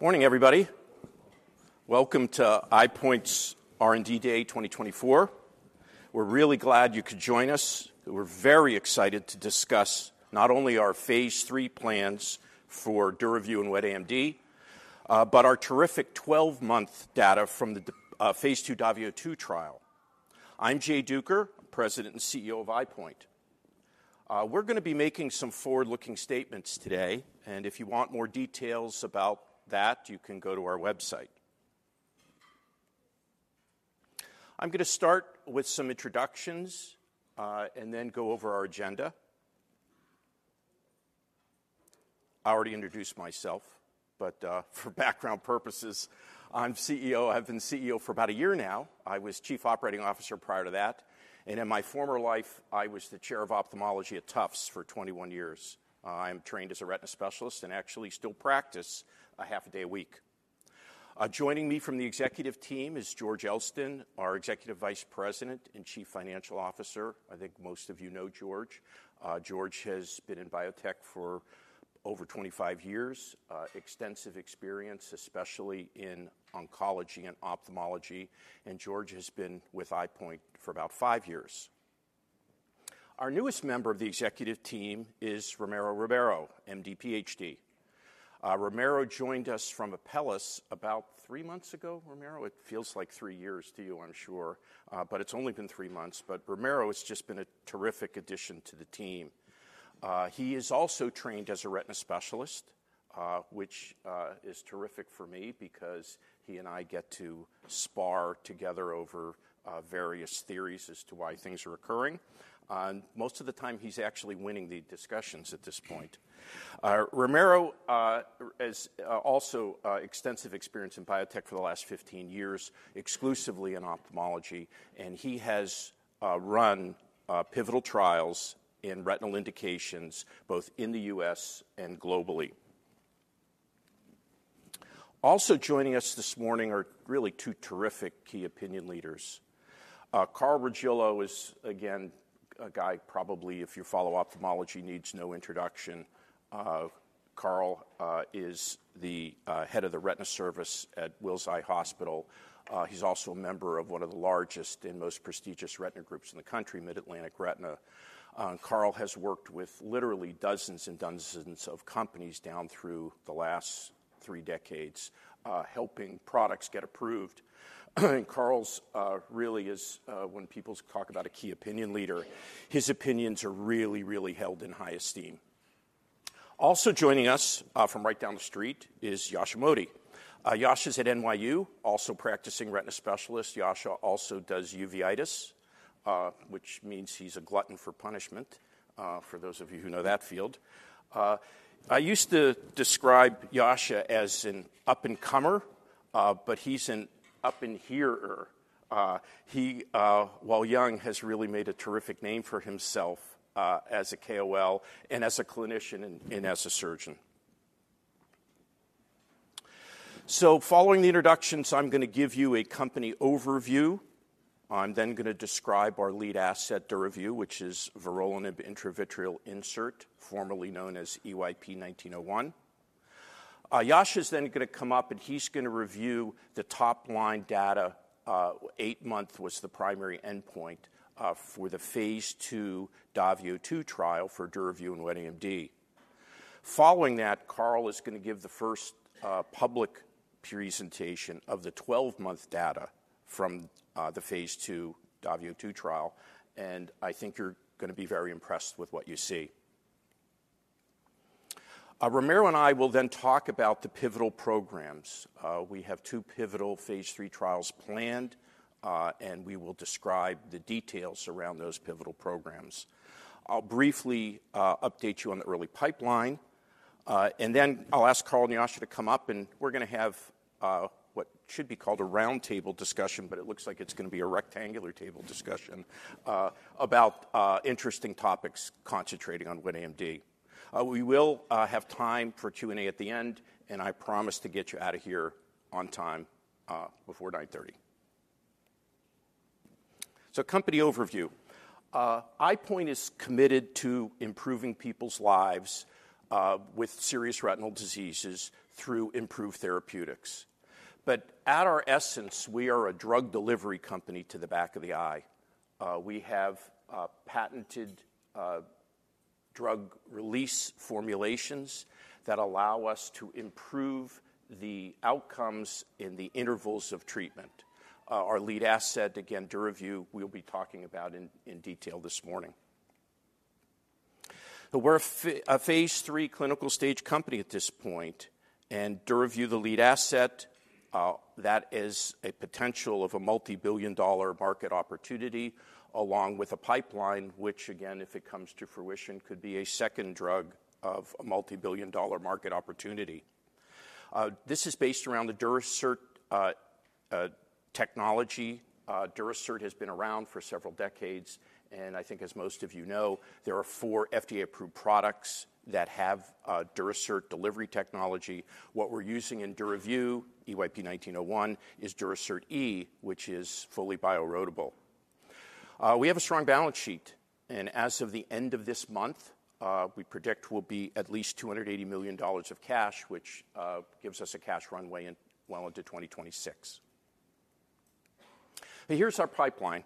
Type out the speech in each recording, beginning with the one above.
Morning, everybody. Welcome to EyePoint's R&D Day 2024. We're really glad you could join us. We're very excited to discuss not only our phase III plans for DURAVYU and wet AMD, but our terrific 12-month data from the phase II DAVIO 2 trial. I'm Jay Duker, President and CEO of EyePoint. We're gonna be making some forward-looking statements today, and if you want more details about that, you can go to our website. I'm gonna start with some introductions, and then go over our agenda. I already introduced myself, but, for background purposes, I'm CEO. I've been CEO for about a year now. I was chief operating officer prior to that, and in my former life, I was the chair of ophthalmology at Tufts for 21 years. I'm trained as a retina specialist and actually still practice a half a day a week. Joining me from the executive team is George Elston, our Executive Vice President and Chief Financial Officer. I think most of you know George. George has been in biotech for over 25 years. Extensive experience, especially in oncology and ophthalmology, and George has been with EyePoint for about five years. Our newest member of the executive team is Ramiro Ribeiro, MD, PhD. Ramiro joined us from Apellis about three months ago, Ramiro? It feels like three years to you, I'm sure, but it's only been three months. But Ramiro has just been a terrific addition to the team. He is also trained as a retina specialist, which is terrific for me because he and I get to spar together over various theories as to why things are occurring, and most of the time, he's actually winning the discussions at this point. Ramiro has also extensive experience in biotech for the last 15 years, exclusively in ophthalmology, and he has run pivotal trials in retinal indications, both in the US and globally. Also joining us this morning are really two terrific key opinion leaders. Carl Regillo is, again, a guy probably, if you follow ophthalmology, needs no introduction. Carl is the head of the retina service at Wills Eye Hospital. He's also a member of one of the largest and most prestigious retina groups in the country, Mid Atlantic Retina. And Carl has worked with literally dozens and dozens of companies down through the last three decades, helping products get approved. And Carl's really is... When people talk about a key opinion leader, his opinions are really, really held in high esteem. Also joining us from right down the street is Yasha Modi. Yasha's at NYU, also practicing retina specialist. Yasha also does uveitis, which means he's a glutton for punishment, for those of you who know that field. I used to describe Yasha as an up-and-comer, but he's an up-and-here-er. He, while young, has really made a terrific name for himself, as a KOL and as a clinician and as a surgeon. So following the introductions, I'm gonna give you a company overview. I'm then gonna describe our lead asset, DURAVYU, which is vorolanib intravitreal insert, formerly known as EYP-1901. Yasha is then gonna come up, and he's gonna review the top-line data. Eight-month was the primary endpoint for the phase II DAVIO 2 trial for DURAVYU and wet AMD. Following that, Carl is gonna give the first public presentation of the 12-month data from the phase II DAVIO 2 trial, and I think you're gonna be very impressed with what you see. Ramiro and I will then talk about the pivotal programs. We have 2 pivotal phase III trials planned, and we will describe the details around those pivotal programs. I'll briefly update you on the early pipeline, and then I'll ask Carl and Yasha to come up, and we're gonna have what should be called a roundtable discussion, but it looks like it's gonna be a rectangular table discussion about interesting topics concentrating on wet AMD. We will have time for Q&A at the end, and I promise to get you out of here on time before 9:30. So company overview. EyePoint is committed to improving people's lives with serious retinal diseases through improved therapeutics. But at our essence, we are a drug delivery company to the back of the eye. We have patented drug release formulations that allow us to improve the outcomes in the intervals of treatment. Our lead asset, again, DURAVYU, we'll be talking about in detail this morning. We're phase III clinical stage company at this point, and DURAVYU, the lead asset, that is a potential of a multi-billion dollar market opportunity, along with a pipeline, which, again, if it comes to fruition, could be a second drug of a multi-billion dollar market opportunity. This is based around the Durasert technology. Durasert has been around for several decades, and I think as most of you know, there are four FDA-approved products that have Durasert delivery technology. What we're using in DURAVYU, EYP-1901, is Durasert E, which is fully bioerodible. We have a strong balance sheet, and as of the end of this month, we predict we'll be at least $280 million of cash, which gives us a cash runway in well into 2026. Now, here's our pipeline.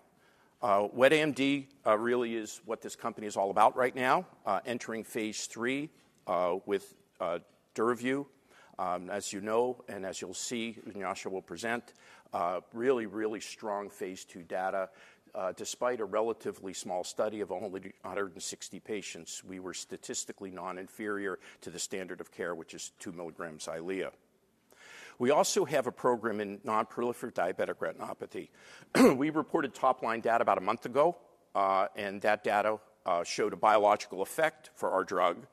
Wet AMD really is what this company is all about right now, entering phase III with DURAVYU. As you know, and as you'll see, Yasha will present really, really strong phase II data. Despite a relatively small study of only 160 patients, we were statistically non-inferior to the standard of care, which is 2 milligrams Eylea. We also have a program in non-proliferative diabetic retinopathy. We reported top-line data about a month ago, and that data showed a biological effect for our drug,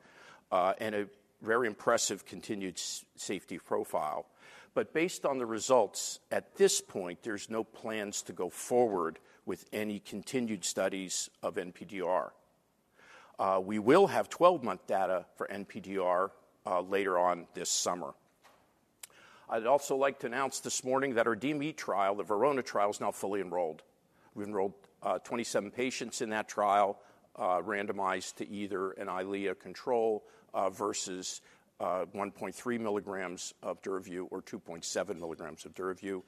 and a very impressive continued safety profile. But based on the results at this point, there's no plans to go forward with any continued studies of NPDR. We will have 12-month data for NPDR later on this summer. I'd also like to announce this morning that our DME trial, the VERONA trial, is now fully enrolled. We've enrolled 27 patients in that trial, randomized to either an Eylea control versus 1.3 milligrams of DURAVYU or 2.7 milligrams of DURAVYU.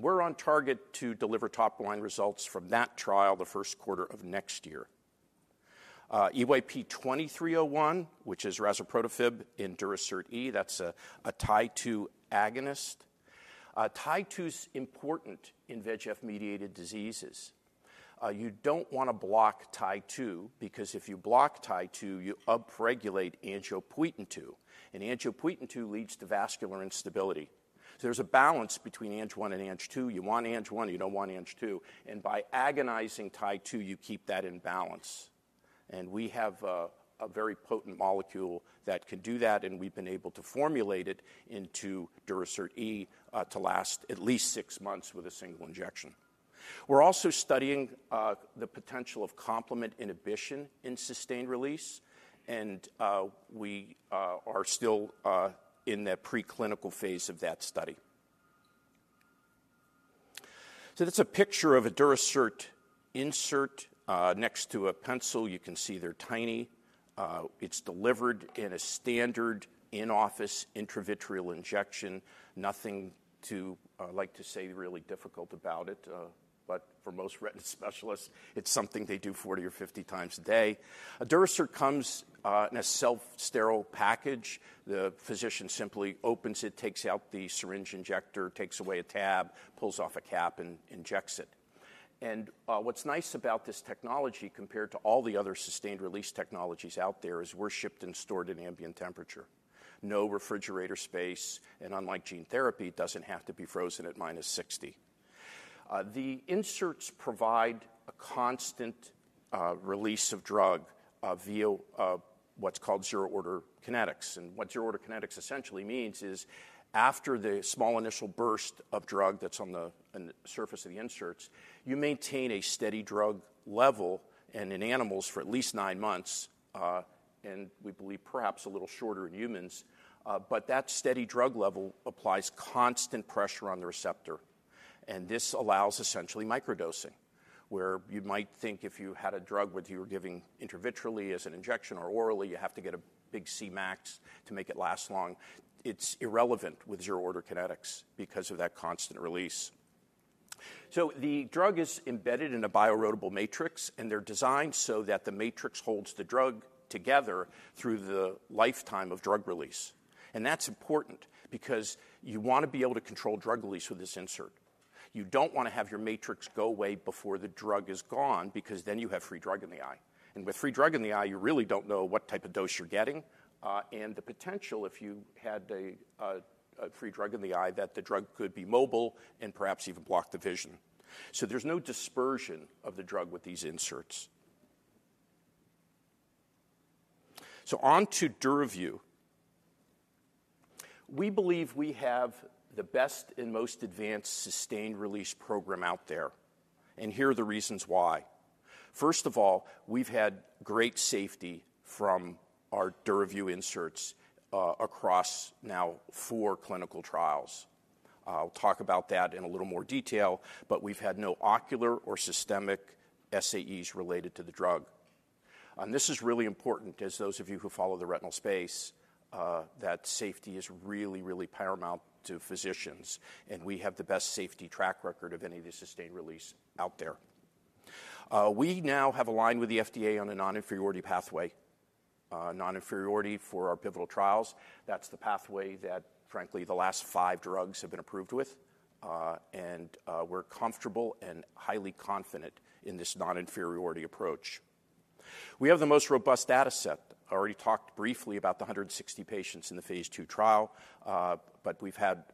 We're on target to deliver top-line results from that trial the first quarter of next year. EYP-2301, which is razuprotafib in Durasert E, that's a Tie2 agonist. Tie2's important in VEGF-mediated diseases. You don't want to block Tie2, because if you block Tie2, you upregulate angiopoietin-2, and angiopoietin-2 leads to vascular instability. So there's a balance between Ang-1 and Ang-2. You want Ang-1, you don't want Ang-2, and by agonizing Tie2, you keep that in balance. And we have a very potent molecule that can do that, and we've been able to formulate it into Durasert E to last at least six months with a single injection. We're also studying the potential of complement inhibition in sustained release, and we are still in that preclinical phase of that study. So this is a picture of a Durasert insert next to a pencil. You can see they're tiny. It's delivered in a standard in-office intravitreal injection. Nothing to, like to say, really difficult about it, but for most retinal specialists, it's something they do 40 or 50 times a day. A Durasert comes in a self-sterile package. The physician simply opens it, takes out the syringe injector, takes away a tab, pulls off a cap, and injects it. And what's nice about this technology compared to all the other sustained release technologies out there is we're shipped and stored in ambient temperature. No refrigerator space, and unlike gene therapy, doesn't have to be frozen at -60. The inserts provide a constant release of drug via what's called zero-order kinetics. What zero-order kinetics essentially means is, after the small initial burst of drug that's on the surface of the inserts, you maintain a steady drug level, and in animals for at least nine months, and we believe perhaps a little shorter in humans. But that steady drug level applies constant pressure on the receptor, and this allows essentially microdosing, where you might think if you had a drug, whether you were giving intravitreal as an injection or orally, you have to get a big Cmax to make it last long. It's irrelevant with zero-order kinetics because of that constant release. So the drug is embedded in a bioerodible matrix, and they're designed so that the matrix holds the drug together through the lifetime of drug release. And that's important because you want to be able to control drug release with this insert. You don't want to have your matrix go away before the drug is gone, because then you have free drug in the eye. And with free drug in the eye, you really don't know what type of dose you're getting, and the potential, if you had a free drug in the eye, that the drug could be mobile and perhaps even block the vision. So there's no dispersion of the drug with these inserts. So on to DURAVYU. We believe we have the best and most advanced sustained release program out there, and here are the reasons why. First of all, we've had great safety from our DURAVYU inserts, across now four clinical trials. We'll talk about that in a little more detail, but we've had no ocular or systemic SAEs related to the drug. And this is really important, as those of you who follow the retinal space, that safety is really, really paramount to physicians, and we have the best safety track record of any of the sustained release out there. We now have aligned with the FDA on a non-inferiority pathway, non-inferiority for our pivotal trials. That's the pathway that, frankly, the last five drugs have been approved with, and, we're comfortable and highly confident in this non-inferiority approach. We have the most robust data set. I already talked briefly about the 160 patients in the phase II trial, but we've had,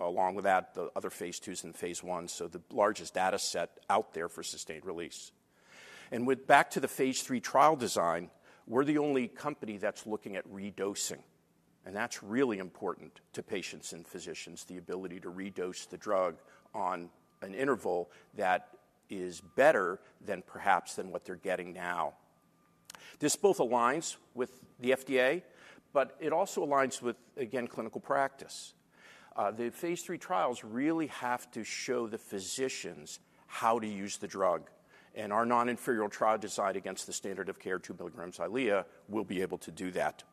along with that, the other phase IIs and phase I, so the largest data set out there for sustained release. And with back to the phase III trial design, we're the only company that's looking at redosing, and that's really important to patients and physicians, the ability to redose the drug on an interval that is better than perhaps than what they're getting now. This both aligns with the FDA, but it also aligns with, again, clinical practice. The phase III trials really have to show the physicians how to use the drug, and our non-inferior trial design against the standard of care, 2 milligrams Eylea, will be able to do that.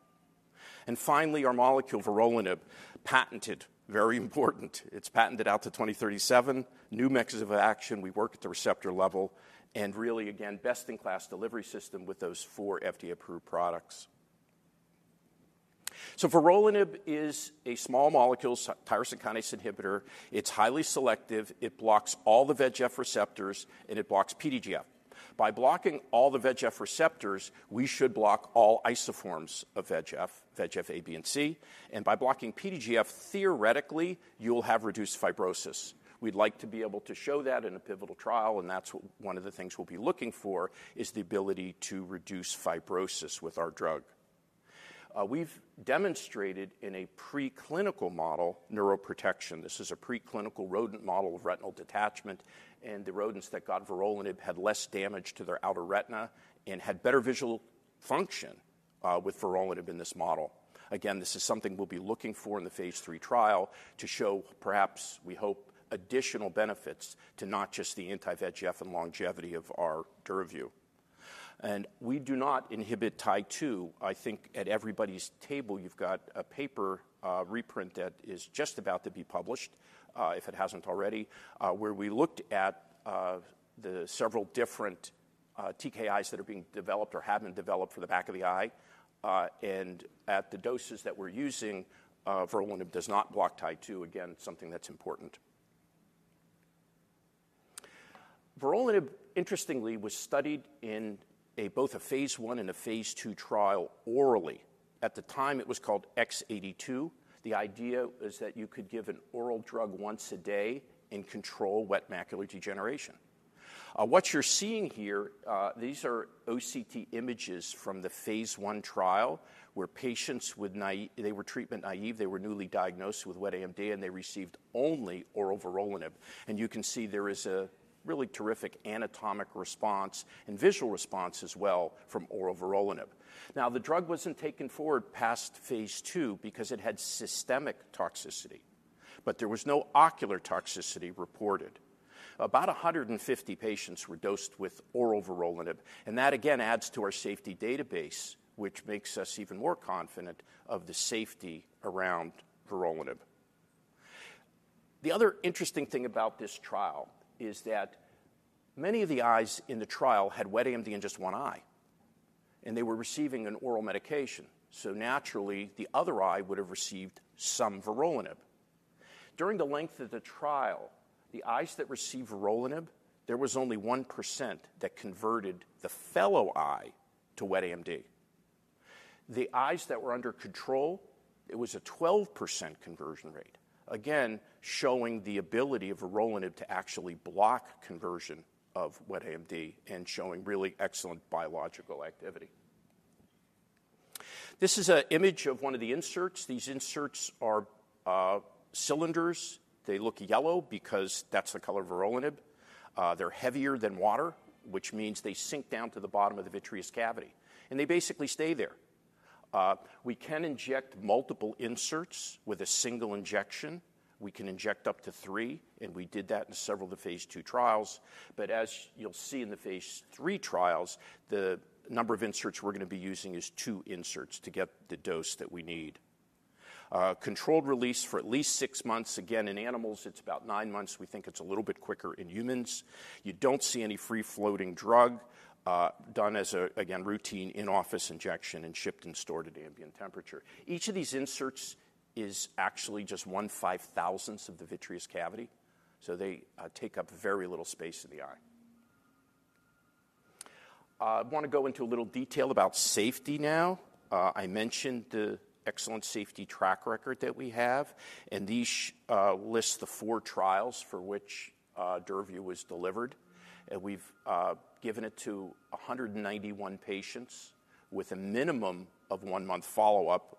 And finally, our molecule, vorolanib, patented, very important. It's patented out to 2037. New mechanisms of action, we work at the receptor level, and really, again, best-in-class delivery system with those four FDA-approved products. So vorolanib is a small molecule tyrosine kinase inhibitor. It's highly selective, it blocks all the VEGF receptors, and it blocks PDGF. By blocking all the VEGF receptors, we should block all isoforms of VEGF, VEGF A, B, and C, and by blocking PDGF, theoretically, you'll have reduced fibrosis. We'd like to be able to show that in a pivotal trial, and that's one of the things we'll be looking for, is the ability to reduce fibrosis with our drug. We've demonstrated, in a preclinical model, neuroprotection. This is a preclinical rodent model of retinal detachment, and the rodents that got vorolanib had less damage to their outer retina and had better visual function, with vorolanib in this model. Again, this is something we'll be looking for in the phase III trial to show, perhaps, we hope, additional benefits to not just the anti-VEGF and longevity of our DURAVYU. And we do not inhibit Tie2. I think at everybody's table, you've got a paper, reprint, that is just about to be published, if it hasn't already, where we looked at the several different TKIs that are being developed or haven't developed for the back of the eye, and at the doses that we're using, vorolanib does not block Tie2. Again, something that's important. Vorolanib, interestingly, was studied in both a phase I and a phase II trial orally. At the time, it was called X-82. The idea is that you could give an oral drug once a day and control wet macular degeneration. What you're seeing here, these are OCT images from the phase I trial, where patients. They were treatment naive, they were newly diagnosed with wet AMD, and they received only oral vorolanib, and you can see there is a really terrific anatomic response and visual response as well from oral vorolanib. Now, the drug wasn't taken forward past phase II because it had systemic toxicity, but there was no ocular toxicity reported. About 150 patients were dosed with oral vorolanib, and that again adds to our safety database, which makes us even more confident of the safety around vorolanib. The other interesting thing about this trial is that many of the eyes in the trial had wet AMD in just one eye, and they were receiving an oral medication, so naturally, the other eye would have received some vorolanib. During the length of the trial, the eyes that received vorolanib, there was only 1% that converted the fellow eye to wet AMD. The eyes that were under control, it was a 12% conversion rate, again, showing the ability of vorolanib to actually block conversion of wet AMD and showing really excellent biological activity. This is an image of one of the inserts. These inserts are cylinders. They look yellow because that's the color of vorolanib. They're heavier than water, which means they sink down to the bottom of the vitreous cavity, and they basically stay there. We can inject multiple inserts with a single injection. We can inject up to 3, and we did that in several of the phase II trials. But as you'll see in the phase III trials, the number of inserts we're gonna be using is two inserts to get the dose that we need. Controlled release for at least six months. Again, in animals, it's about nine months. We think it's a little bit quicker in humans. You don't see any free-floating drug, done as a, again, routine in-office injection and shipped and stored at ambient temperature. Each of these inserts is actually just 1/5,000 of the vitreous cavity, so they take up very little space in the eye. I wanna go into a little detail about safety now. I mentioned the excellent safety track record that we have, and these list the four trials for which DURAVYU was delivered. And we've given it to 191 patients with a minimum of 1-month follow-up.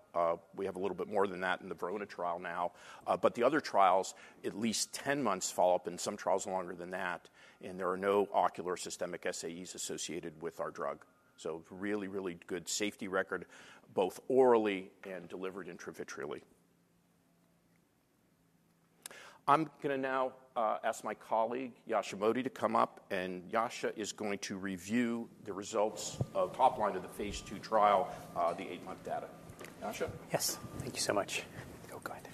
We have a little bit more than that in the Verona trial now, but the other trials, at least 10 months follow-up, and some trials longer than that, and there are no ocular systemic SAEs associated with our drug. So really, really good safety record, both orally and delivered intravitreally. I'm gonna now ask my colleague, Yasha Modi, to come up, and Yasha is going to review the results of top line of the phase II trial, the 8-month data. Yasha? Yes. Thank you so much. Oh, go ahead....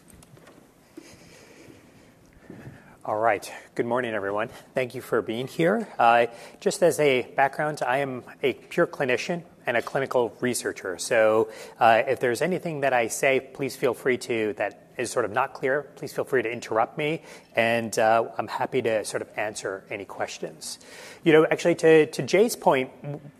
All right. Good morning, everyone. Thank you for being here. Just as a background, I am a pure clinician and a clinical researcher. So, if there's anything that I say that is sort of not clear, please feel free to interrupt me, and I'm happy to sort of answer any questions. You know, actually, to Jay's point,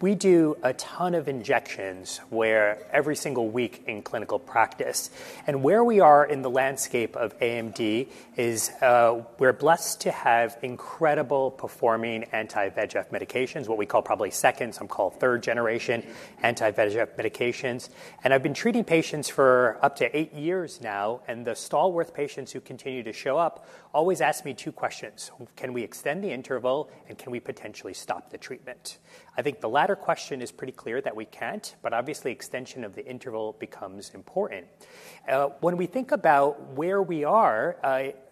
we do a ton of injections every single week in clinical practice. And where we are in the landscape of AMD is, we're blessed to have incredible performing anti-VEGF medications, what we call probably second, some call third generation anti-VEGF medications. And I've been treating patients for up to eight years now, and the stalwart patients who continue to show up always ask me two questions: Can we extend the interval, and can we potentially stop the treatment? I think the latter question is pretty clear that we can't, but obviously, extension of the interval becomes important. When we think about where we are,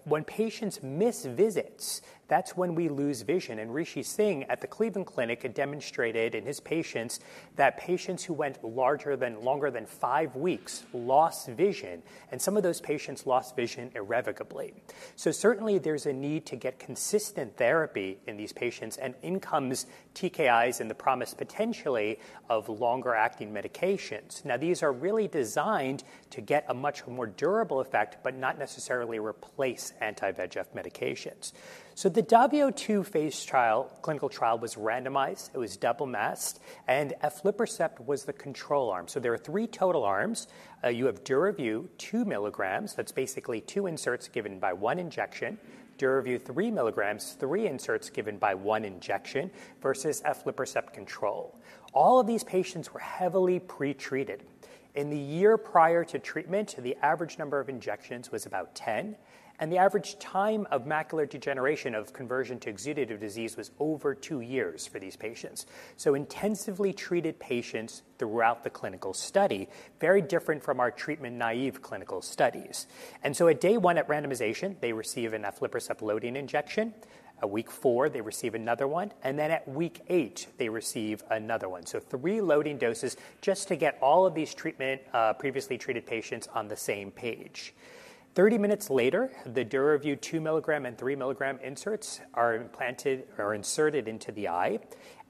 when patients miss visits, that's when we lose vision. And Rishi Singh, at the Cleveland Clinic, had demonstrated in his patients that patients who went larger than—longer than five weeks lost vision, and some of those patients lost vision irrevocably. So certainly, there's a need to get consistent therapy in these patients, and in comes TKIs and the promise, potentially, of longer-acting medications. Now, these are really designed to get a much more durable effect, but not necessarily replace anti-VEGF medications. So the DAVIO 2 phase trial, clinical trial was randomized, it was double-masked, and aflibercept was the control arm. So there are three total arms. You have DURAVYU 2 milligrams, that's basically two inserts given by one injection, DURAVYU 3 milligrams, three inserts given by one injection, versus aflibercept control. All of these patients were heavily pretreated. In the year prior to treatment, the average number of injections was about 10, and the average time of macular degeneration of conversion to exudative disease was over 2 years for these patients. So intensively treated patients throughout the clinical study, very different from our treatment-naïve clinical studies. At day 1, at randomization, they receive an aflibercept loading injection. At week 4, they receive another one, and then at week 8, they receive another one. So 3 loading doses, just to get all of these treatment, previously treated patients on the same page. Thirty minutes later, the DURAVYU 2 milligram and 3 milligram inserts are implanted or inserted into the eye,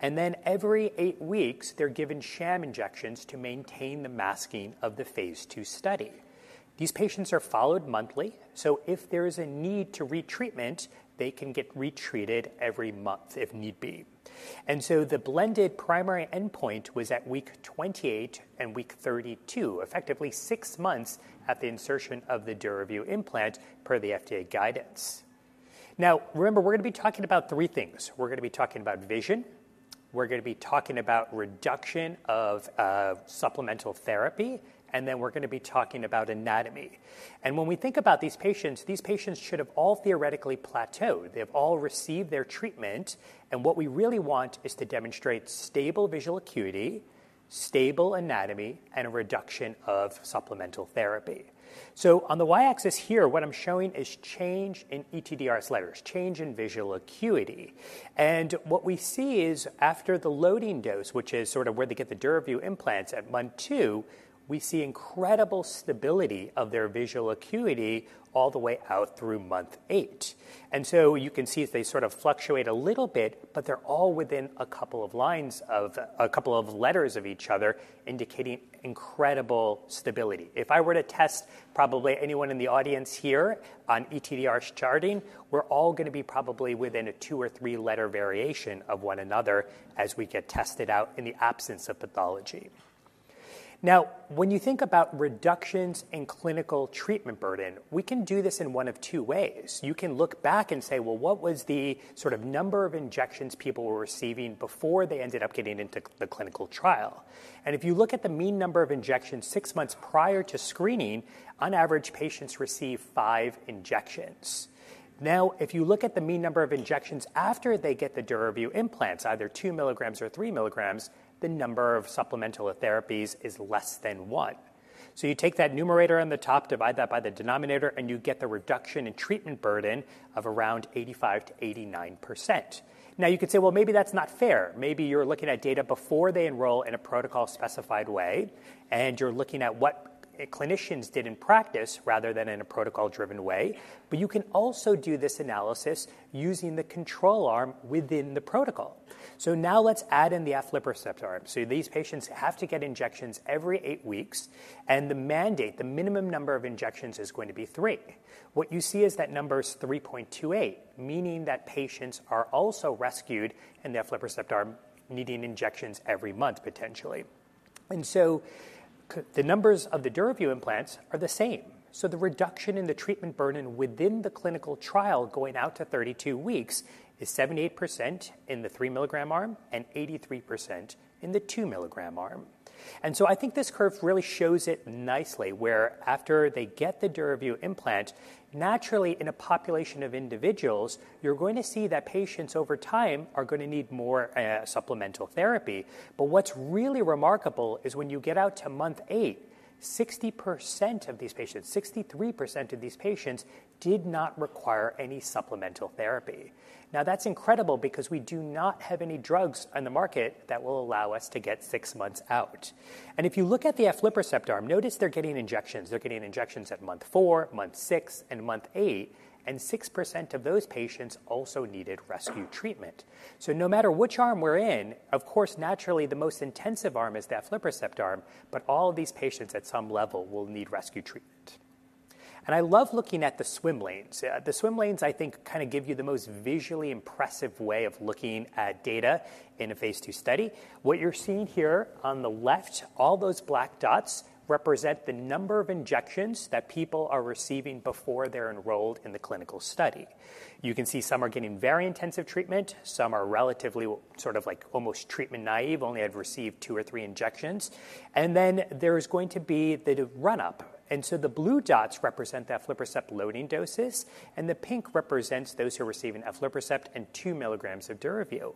and then every 8 weeks, they're given sham injections to maintain the masking of the phase II study. These patients are followed monthly, so if there is a need to re-treatment, they can get retreated every month, if need be. And so the blended primary endpoint was at week 28 and week 32, effectively six months at the insertion of the DURAVYU implant, per the FDA guidance. Now, remember, we're going to be talking about three things. We're going to be talking about vision, we're going to be talking about reduction of, supplemental therapy, and then we're going to be talking about anatomy. And when we think about these patients, these patients should have all theoretically plateaued. They've all received their treatment, and what we really want is to demonstrate stable visual acuity, stable anatomy, and a reduction of supplemental therapy. So on the y-axis here, what I'm showing is change in ETDRS letters, change in visual acuity. And what we see is after the loading dose, which is sort of where they get the DURAVYU implants, at month 2, we see incredible stability of their visual acuity all the way out through month 8. And so you can see as they sort of fluctuate a little bit, but they're all within a couple of lines of a couple of letters of each other, indicating incredible stability. If I were to test probably anyone in the audience here on ETDRS charting, we're all going to be probably within a 2- or 3-letter variation of one another as we get tested out in the absence of pathology. Now, when you think about reductions in clinical treatment burden, we can do this in one of two ways. You can look back and say, "Well, what was the sort of number of injections people were receiving before they ended up getting into the clinical trial?" And if you look at the mean number of injections six months prior to screening, on average, patients receive 5 injections. Now, if you look at the mean number of injections after they get the DURAVYU implants, either 2 milligrams or 3 milligrams, the number of supplemental therapies is less than 1. So you take that numerator on the top, divide that by the denominator, and you get the reduction in treatment burden of around 85%-89%. Now, you could say, "Well, maybe that's not fair. Maybe you're looking at data before they enroll in a protocol-specified way, and you're looking at what clinicians did in practice rather than in a protocol-driven way." But you can also do this analysis using the control arm within the protocol. So now let's add in the aflibercept arm. So these patients have to get injections every eight weeks, and the mandate, the minimum number of injections, is going to be 3. What you see is that number is 3.28, meaning that patients are also rescued in the aflibercept arm, needing injections every month, potentially. And so the numbers of the DURAVYU implants are the same. So the reduction in the treatment burden within the clinical trial going out to 32 weeks is 78% in the 3 milligram arm and 83% in the 2 milligram arm. I think this curve really shows it nicely, where after they get the DURAVYU implant, naturally, in a population of individuals, you're going to see that patients over time are going to need more supplemental therapy. But what's really remarkable is when you get out to month 8, 60% of these patients, 63% of these patients did not require any supplemental therapy. Now, that's incredible because we do not have any drugs on the market that will allow us to get 6 months out. And if you look at the aflibercept arm, notice they're getting injections. They're getting injections at month 4, month 6, and month 8, and 6% of those patients also needed rescue treatment. So no matter which arm we're in, of course, naturally, the most intensive arm is the aflibercept arm, but all of these patients at some level will need rescue treatment. And I love looking at the swim lanes. The swim lanes, I think, kind of give you the most visually impressive way of looking at data in a phase II study. What you're seeing here on the left, all those black dots represent the number of injections that people are receiving before they're enrolled in the clinical study. You can see some are getting very intensive treatment, some are relatively sort of like almost treatment naive, only have received two or three injections, and then there is going to be the run-up. And so the blue dots represent the aflibercept loading doses, and the pink represents those who are receiving aflibercept and two milligrams of DURAVYU.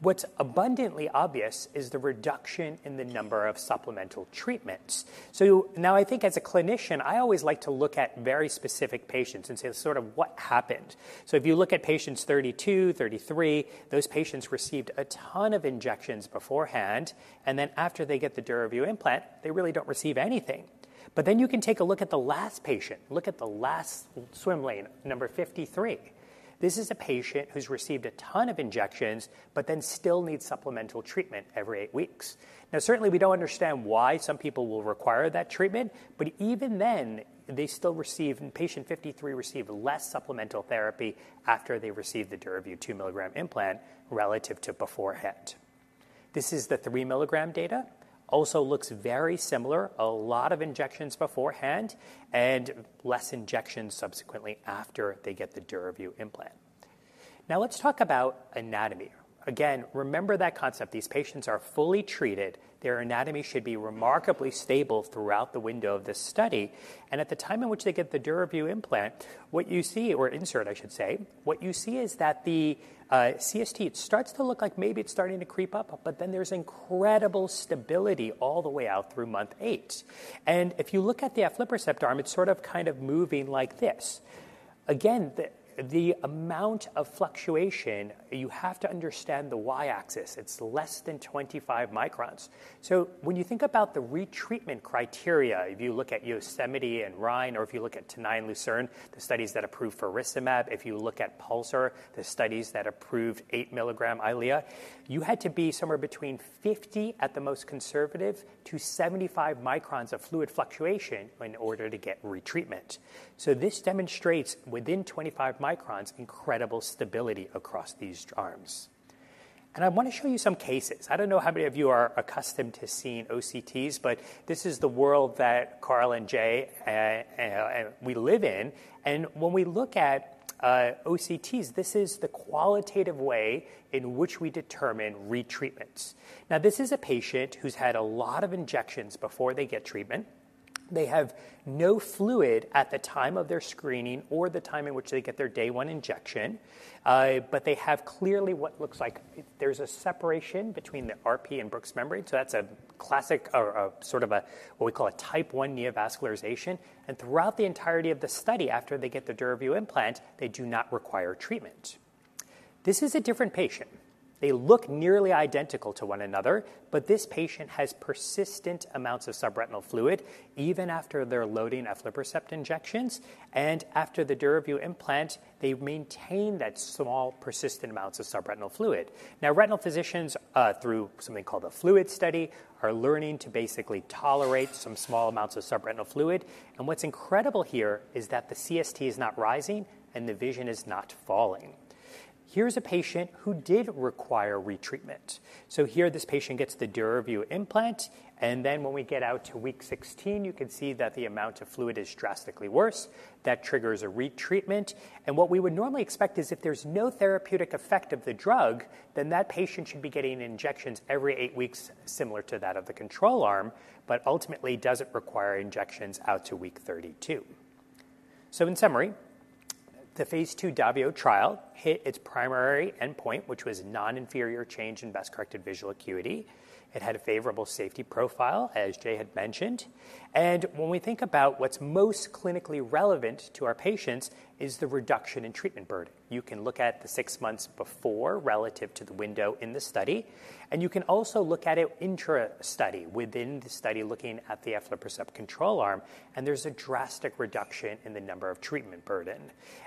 What's abundantly obvious is the reduction in the number of supplemental treatments. So now, I think as a clinician, I always like to look at very specific patients and say sort of what happened. So if you look at patients 32, 33, those patients received a ton of injections beforehand, and then after they get the DURAVYU implant, they really don't receive anything. But then you can take a look at the last patient. Look at the last swim lane, number 53. This is a patient who's received a ton of injections, but then still needs supplemental treatment every 8 weeks. Now, certainly, we don't understand why some people will require that treatment, but even then, they still receive. Patient 53 received less supplemental therapy after they received the DURAVYU 2 mg implant relative to beforehand. This is the 3 milligram data, also looks very similar, a lot of injections beforehand and less injections subsequently after they get the DURAVYU implant. Now, let's talk about anatomy. Again, remember that concept, these patients are fully treated. Their anatomy should be remarkably stable throughout the window of this study, and at the time in which they get the DURAVYU implant, what you see, or insert, I should say, what you see is that the, CST, it starts to look like maybe it's starting to creep up, but then there's incredible stability all the way out through month 8. And if you look at the aflibercept arm, it's sort of, kind of moving like this. Again, the, the amount of fluctuation, you have to understand the Y-axis. It's less than 25 microns. So when you think about the retreatment criteria, if you look at Yosemite and Rhine, or if you look at Tenaya and Lucerne, the studies that approved faricimab, if you look at PULSAR, the studies that approved 8-milligram Eylea, you had to be somewhere between 50, at the most conservative, to 75 microns of fluid fluctuation in order to get retreatment. So this demonstrates, within 25 microns, incredible stability across these arms. And I want to show you some cases. I don't know how many of you are accustomed to seeing OCTs, but this is the world that Carl and Jay, we live in. And when we look at OCTs, this is the qualitative way in which we determine retreatments. Now, this is a patient who's had a lot of injections before they get treatment. They have no fluid at the time of their screening or the time in which they get their day 1 injection, but they have clearly what looks like... There's a separation between the RPE and Bruch's membrane, so that's a classic or a sort of a, what we call a type 1 neovascularization. And throughout the entirety of the study, after they get the DURAVYU implant, they do not require treatment. This is a different patient. They look nearly identical to one another, but this patient has persistent amounts of subretinal fluid, even after their loading aflibercept injections, and after the DURAVYU implant, they maintain that small, persistent amounts of subretinal fluid. Now, retinal physicians, through something called a fluid study, are learning to basically tolerate some small amounts of subretinal fluid. What's incredible here is that the CST is not rising, and the vision is not falling. Here's a patient who did require retreatment. So here, this patient gets the DURAVYU implant, and then when we get out to week 16, you can see that the amount of fluid is drastically worse. That triggers a retreatment, and what we would normally expect is if there's no therapeutic effect of the drug, then that patient should be getting injections every 8 weeks, similar to that of the control arm, but ultimately, doesn't require injections out to week 32. So in summary, the phase II DAVIO trial hit its primary endpoint, which was non-inferior change in best-corrected visual acuity. It had a favorable safety profile, as Jay had mentioned. And when we think about what's most clinically relevant to our patients is the reduction in treatment burden. You can look at the six months before relative to the window in the study, and you can also look at it intra-study, within the study, looking at the aflibercept control arm, and there's a drastic reduction in the number of treatment burden.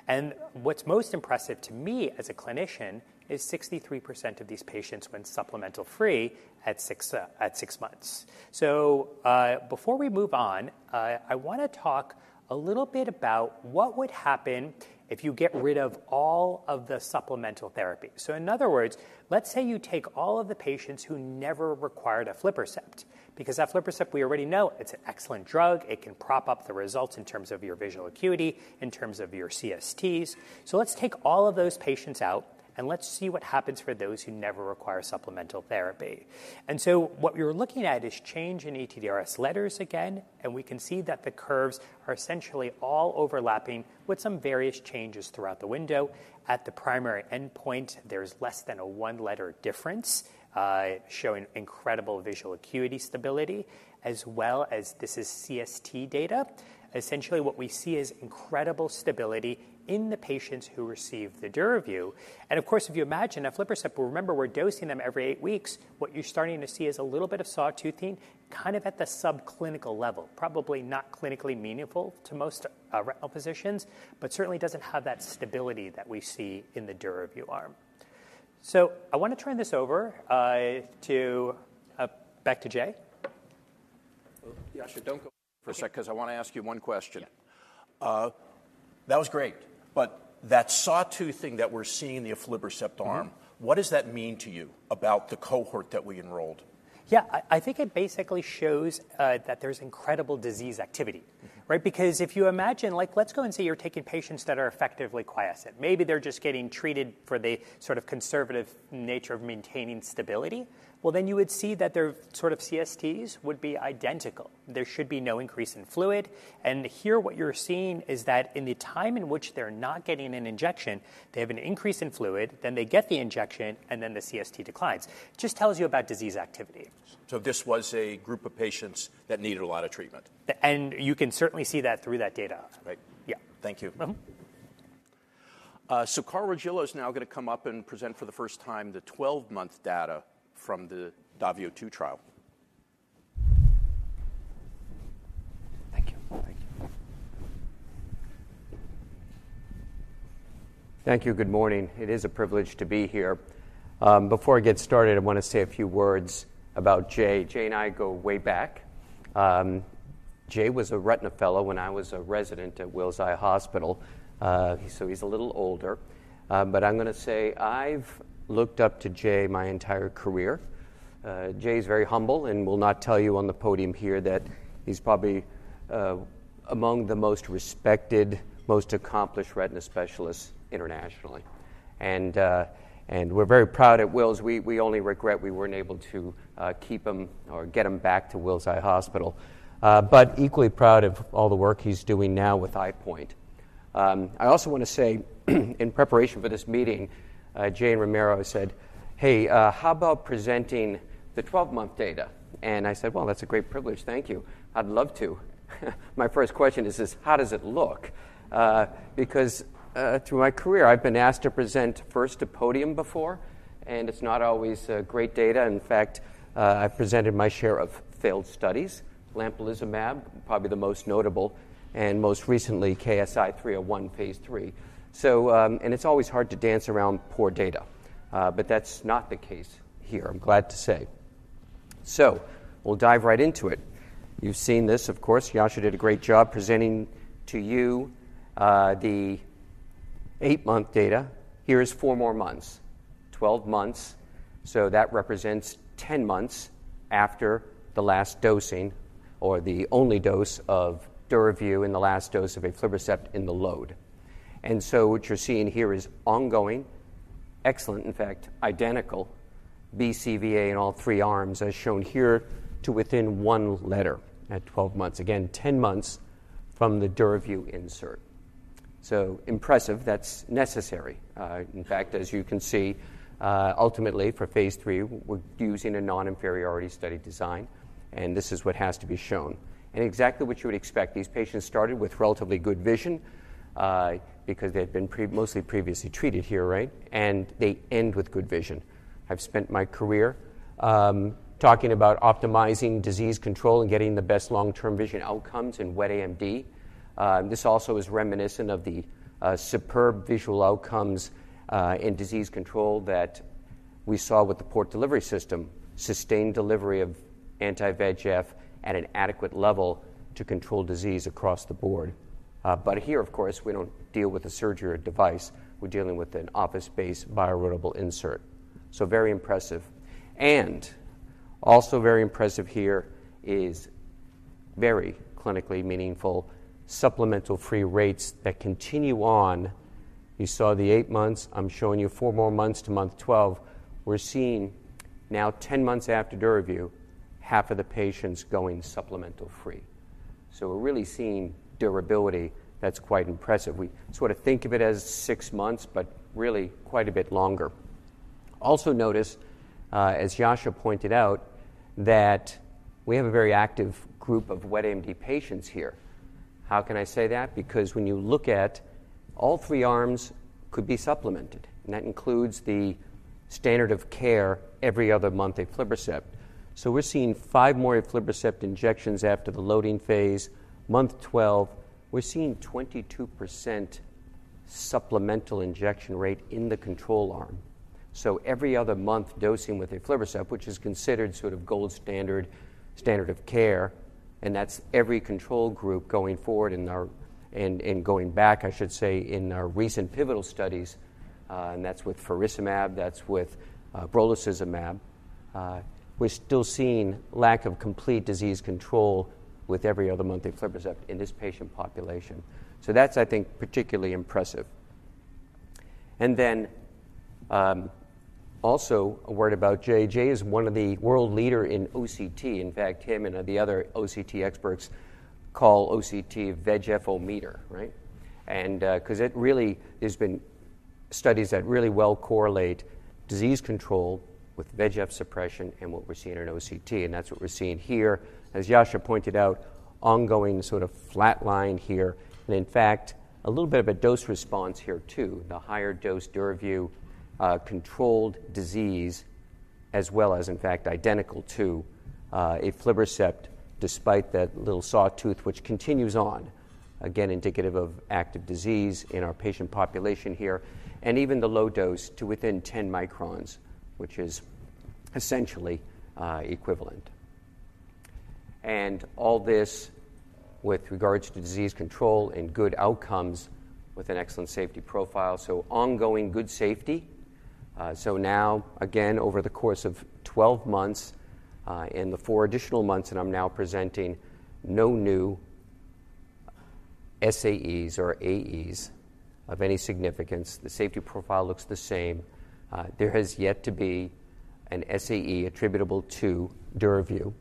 And what's most impressive to me as a clinician is 63% of these patients went supplemental-free at six, at six months. So, before we move on, I want to talk a little bit about what would happen if you get rid of all of the supplemental therapy. So in other words, let's say you take all of the patients who never required aflibercept, because aflibercept, we already know, it's an excellent drug. It can prop up the results in terms of your visual acuity, in terms of your CSTs. So let's take all of those patients out, and let's see what happens for those who never require supplemental therapy. So what we were looking at is change in ETDRS letters again, and we can see that the curves are essentially all overlapping with some various changes throughout the window. At the primary endpoint, there is less than a 1-letter difference, showing incredible visual acuity stability, as well as this is CST data. Essentially, what we see is incredible stability in the patients who received the DURAVYU. And of course, if you imagine aflibercept, remember, we're dosing them every 8 weeks. What you're starting to see is a little bit of sawtoothing, kind of at the subclinical level, probably not clinically meaningful to most retinal physicians, but certainly doesn't have that stability that we see in the DURAVYU arm. So I want to turn this over back to Jay.... Yasha, don't go for a sec, 'cause I want to ask you one question. That was great, but that sawtooth thing that we're seeing in the aflibercept arm- Mm-hmm. What does that mean to you about the cohort that we enrolled? Yeah, I think it basically shows that there's incredible disease activity, right? Because if you imagine, like, let's go and say you're taking patients that are effectively quiescent. Maybe they're just getting treated for the sort of conservative nature of maintaining stability. Well, then you would see that their sort of CSTs would be identical. There should be no increase in fluid, and here what you're seeing is that in the time in which they're not getting an injection, they have an increase in fluid, then they get the injection, and then the CST declines. Just tells you about disease activity. This was a group of patients that needed a lot of treatment. You can certainly see that through that data. Right. Yeah. Thank you. Mm-hmm. So Carl Regillo is now gonna come up and present for the first time the 12-month data from the DAVIO 2 trial. Thank you. Thank you. Thank you. Good morning. It is a privilege to be here. Before I get started, I want to say a few words about Jay. Jay and I go way back. Jay was a retina fellow when I was a resident at Wills Eye Hospital, so he's a little older. But I'm gonna say I've looked up to Jay my entire career. Jay is very humble and will not tell you on the podium here that he's probably among the most respected, most accomplished retina specialists internationally. And we're very proud at Wills. We only regret we weren't able to keep him or get him back to Wills Eye Hospital, but equally proud of all the work he's doing now with EyePoint. I also want to say, in preparation for this meeting, Jay and Ramiro said, "Hey, how about presenting the 12-month data?" And I said, "Well, that's a great privilege. Thank you. I'd love to." My first question is this: "How does it look?" Because, through my career, I've been asked to present first to podium before, and it's not always great data. In fact, I've presented my share of failed studies. Lamplizumab, probably the most notable, and most recently, KSI-301 phase III. So, and it's always hard to dance around poor data, but that's not the case here, I'm glad to say. So we'll dive right into it. You've seen this, of course. Yasha did a great job presenting to you, the 8-month data. Here is 4 more months. 12 months, so that represents 10 months after the last dosing or the only dose of DURAVYU and the last dose of aflibercept in the load. And so what you're seeing here is ongoing, excellent, in fact, identical BCVA in all three arms, as shown here, to within 1 letter at 12 months. Again, 10 months from the DURAVYU insert. So impressive. That's necessary. In fact, as you can see, ultimately, for phase III, we're using a non-inferiority study design, and this is what has to be shown. And exactly what you would expect, these patients started with relatively good vision, because they've been mostly previously treated here, right? And they end with good vision. I've spent my career talking about optimizing disease control and getting the best long-term vision outcomes in wet AMD. This also is reminiscent of the superb visual outcomes in disease control that we saw with the port delivery system, sustained delivery of anti-VEGF at an adequate level to control disease across the board. But here, of course, we don't deal with a surgery or device. We're dealing with an office-based bioerodible insert. So very impressive. And also very impressive here is very clinically meaningful supplement-free rates that continue on. You saw the 8 months. I'm showing you 4 more months to month 12. We're seeing now, 10 months after DURAVYU, half of the patients going supplement-free. So we're really seeing durability that's quite impressive. We sort of think of it as 6 months, but really quite a bit longer. Also notice, as Yasha pointed out, that we have a very active group of wet AMD patients here. How can I say that? Because when you look at all three arms could be supplemented, and that includes the standard of care every other month, aflibercept. So we're seeing 5 more aflibercept injections after the loading phase. Month 12, we're seeing 22% supplemental injection rate in the control arm. So every other month, dosing with aflibercept, which is considered sort of gold standard, standard of care, and that's every control group going forward in our and going back, I should say, in our recent pivotal studies, and that's with faricimab, that's with brolucizumab. We're still seeing lack of complete disease control with every other-month aflibercept in this patient population. So that's, I think, particularly impressive. And then, also a word about Jay. Jay is one of the world leader in OCT. In fact, him and the other OCT experts call OCT VEGF-O-meter, right? And, 'cause it really... There's been studies that really well correlate disease control with VEGF suppression and what we're seeing in OCT, and that's what we're seeing here. As Yasha pointed out, ongoing sort of flatline here, and in fact, a little bit of a dose response here, too. The higher dose DURAVYU controlled disease as well as, in fact, identical to aflibercept, despite that little sawtooth, which continues on. Again, indicative of active disease in our patient population here, and even the low dose to within 10 microns, which is essentially equivalent. And all this with regards to disease control and good outcomes with an excellent safety profile. So ongoing good safety. So now, again, over the course of 12 months and the 4 additional months that I'm now presenting, no new SAEs or AEs of any significance. The safety profile looks the same. There has yet to be an SAE attributable to DURAVYU,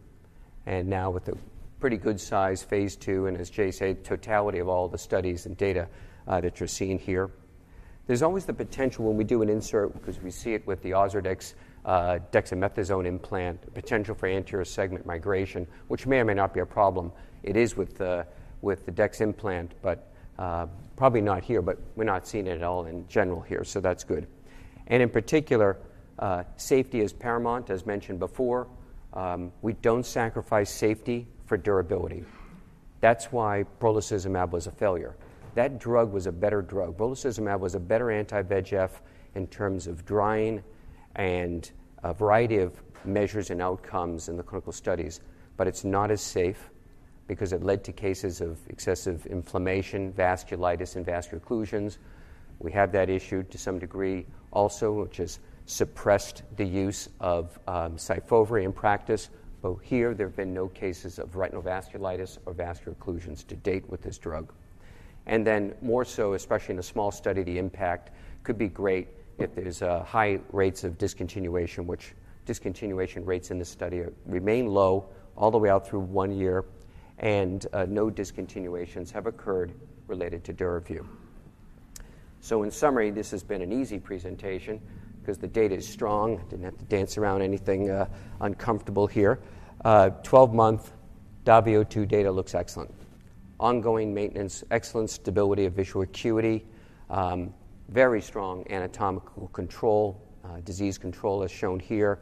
and now with a pretty good size phase II, and as Jay said, the totality of all the studies and data that you're seeing here. There's always the potential when we do an insert, because we see it with the Ozurdex, dexamethasone implant, potential for anterior segment migration, which may or may not be a problem. It is with the, with the dex implant, but, probably not here, but we're not seeing it at all in general here, so that's good. In particular, safety is paramount. As mentioned before, we don't sacrifice safety for durability. That's why brolucizumab was a failure. That drug was a better drug. brolucizumab was a better anti-VEGF in terms of drying and a variety of measures and outcomes in the clinical studies, but it's not as safe because it led to cases of excessive inflammation, vasculitis, and vascular occlusions. We had that issue to some degree also, which has suppressed the use of SYFOVRE in practice, but here there have been no cases of retinal vasculitis or vascular occlusions to date with this drug. Then more so, especially in a small study, the impact could be great if there's high rates of discontinuation, which discontinuation rates in this study remain low all the way out through one year, and no discontinuations have occurred related to DURAVYU. So in summary, this has been an easy presentation because the data is strong. I didn't have to dance around anything uncomfortable here. 12-month DAVIO 2 data looks excellent. Ongoing maintenance, excellent stability of visual acuity, very strong anatomical control, disease control as shown here,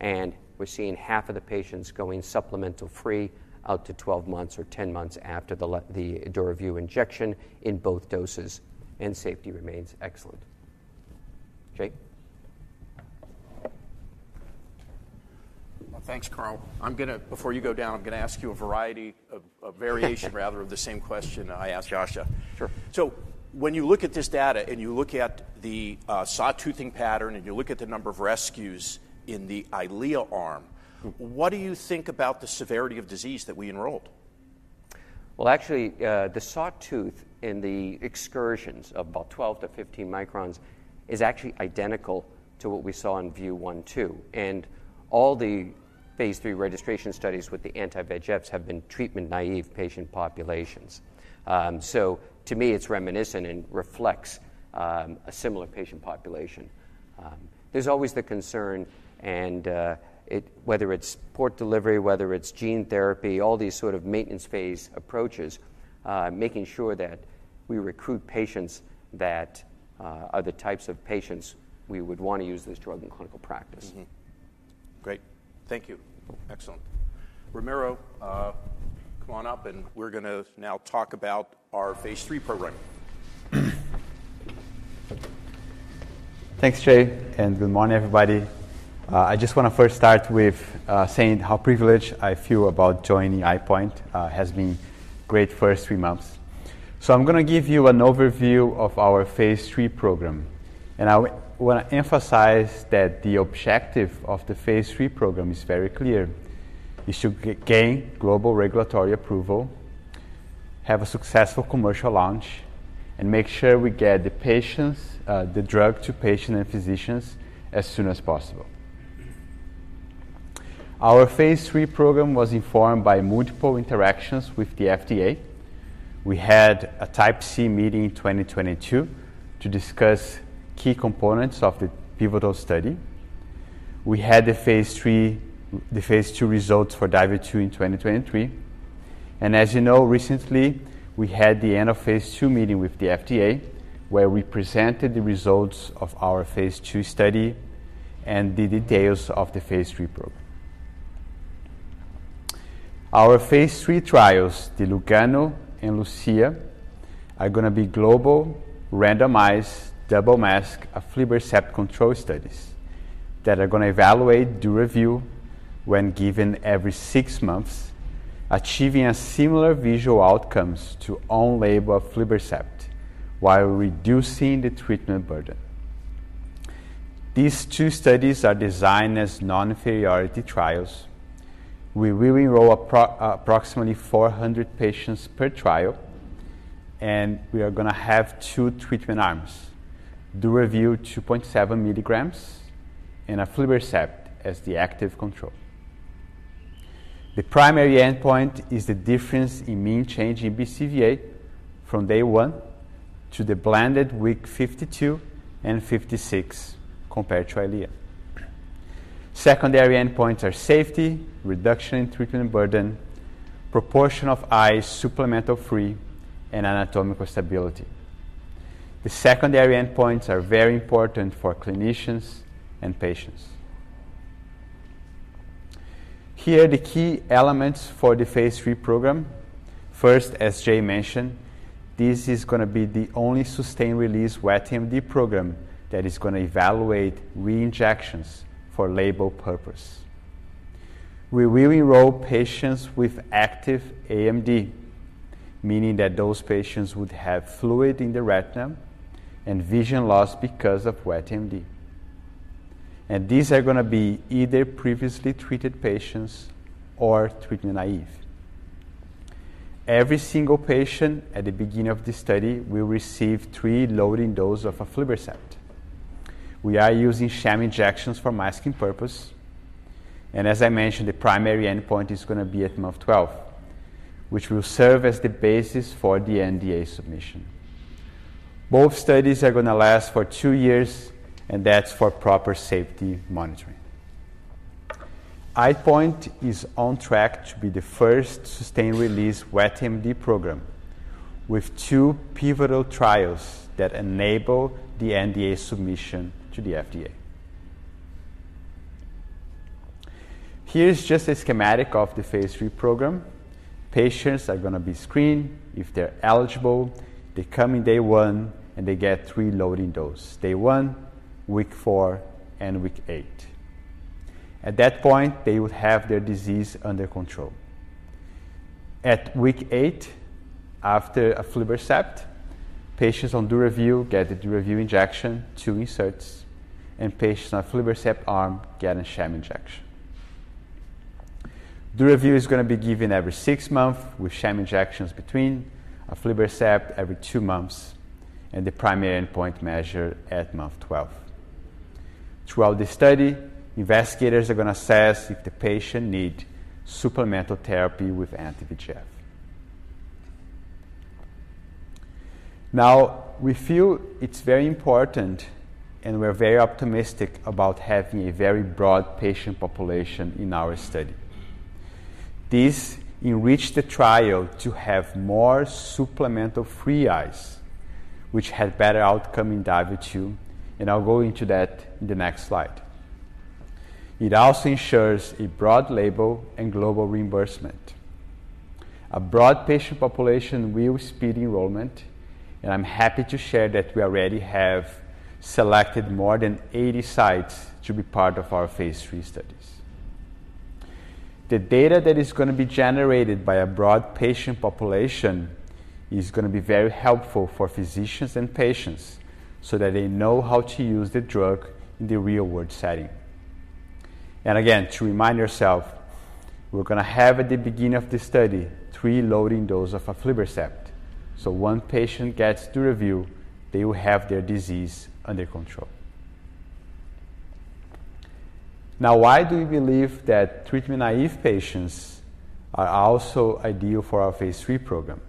and we're seeing half of the patients going supplemental-free out to 12 months or 10 months after the DURAVYU injection in both doses, and safety remains excellent. Jay? Thanks, Carl. I'm gonna, before you go down, I'm gonna ask you a variation, rather, of the same question I asked Yasha. Sure. When you look at this data and you look at the sawtoothing pattern, and you look at the number of rescues in the Eylea arm- Mm-hmm. What do you think about the severity of disease that we enrolled? Well, actually, the sawtooth in the excursions of about 12-15 microns is actually identical to what we saw in DAVIO 1, 2, and all the phase III registration studies with the anti-VEGFs have been treatment-naive patient populations. So to me, it's reminiscent and reflects a similar patient population. There's always the concern, and it, whether it's port delivery, whether it's gene therapy, all these sort of maintenance phase approaches, making sure that we recruit patients that are the types of patients we would want to use this drug in clinical practice. Mm-hmm. Great. Thank you. Excellent. Ramiro, come on up, and we're gonna now talk about our phase III program. Thanks, Jay, and good morning, everybody. I just want to first start with saying how privileged I feel about joining EyePoint. It has been great first three months. So I'm gonna give you an overview of our phase III program, and I wanna emphasize that the objective of the phase III program is very clear: it should gain global regulatory approval, have a successful commercial launch, and make sure we get the patients, the drug to patient and physicians as soon as possible. Our phase III program was informed by multiple interactions with the FDA. We had a Type C meeting in 2022 to discuss key components of the pivotal study. We had a phase III... the phase II results for DAVIO 2 in 2023, and as you know, recently we had the end-of-phase II meeting with the FDA, where we presented the results of our phase II study and the details of the phase III program. Our phase III trials, the LUGANO and LUCIA, are gonna be global, randomized, double-masked, aflibercept control studies that are gonna evaluate the DURAVYU when given every six months, achieving a similar visual outcomes to on-label aflibercept while reducing the treatment burden. These two studies are designed as non-inferiority trials. We will enroll approximately 400 patients per trial, and we are gonna have two treatment arms, DURAVYU 2.7 milligrams and aflibercept as the active control. The primary endpoint is the difference in mean change in BCVA from day one to the blended week 52 and 56 compared to Eylea. Secondary endpoints are safety, reduction in treatment burden, proportion of eyes supplemental-free, and anatomical stability. The secondary endpoints are very important for clinicians and patients.... Here are the key elements for the phase III program. First, as Jay mentioned, this is going to be the only sustained-release wet AMD program that is going to evaluate re-injections for label purpose. We will enroll patients with active AMD, meaning that those patients would have fluid in the retina and vision loss because of wet AMD. These are going to be either previously treated patients or treatment-naive. Every single patient at the beginning of this study will receive 3 loading dose of aflibercept. We are using sham injections for masking purpose, and as I mentioned, the primary endpoint is going to be at month 12, which will serve as the basis for the NDA submission. Both studies are going to last for 2 years, and that's for proper safety monitoring. EyePoint is on track to be the first sustained-release wet AMD program, with two pivotal trials that enable the NDA submission to the FDA. Here's just a schematic of the phase III program. Patients are going to be screened. If they're eligible, they come in day 1, and they get three loading dose, day 1, week 4, and week 8. At that point, they would have their disease under control. At week 8, after aflibercept, patients on DURAVYU get the DURAVYU injection, two inserts, and patients on aflibercept arm get a sham injection. DURAVYU is going to be given every 6 months with sham injections between, aflibercept every 2 months, and the primary endpoint measured at month 12. Throughout the study, investigators are going to assess if the patient need supplemental therapy with anti-VEGF. Now, we feel it's very important and we're very optimistic about having a very broad patient population in our study. This enrich the trial to have more supplement-free eyes, which had better outcome in DAVIO 2, and I'll go into that in the next slide. It also ensures a broad label and global reimbursement. A broad patient population will speed enrollment, and I'm happy to share that we already have selected more than 80 sites to be part of our phase III studies. The data that is going to be generated by a broad patient population is going to be very helpful for physicians and patients so that they know how to use the drug in the real-world setting. Again, to remind yourself, we're going to have at the beginning of this study, three loading dose of aflibercept. So once patient gets to review, they will have their disease under control. Now, why do we believe that treatment-naive patients are also ideal for our phase III program?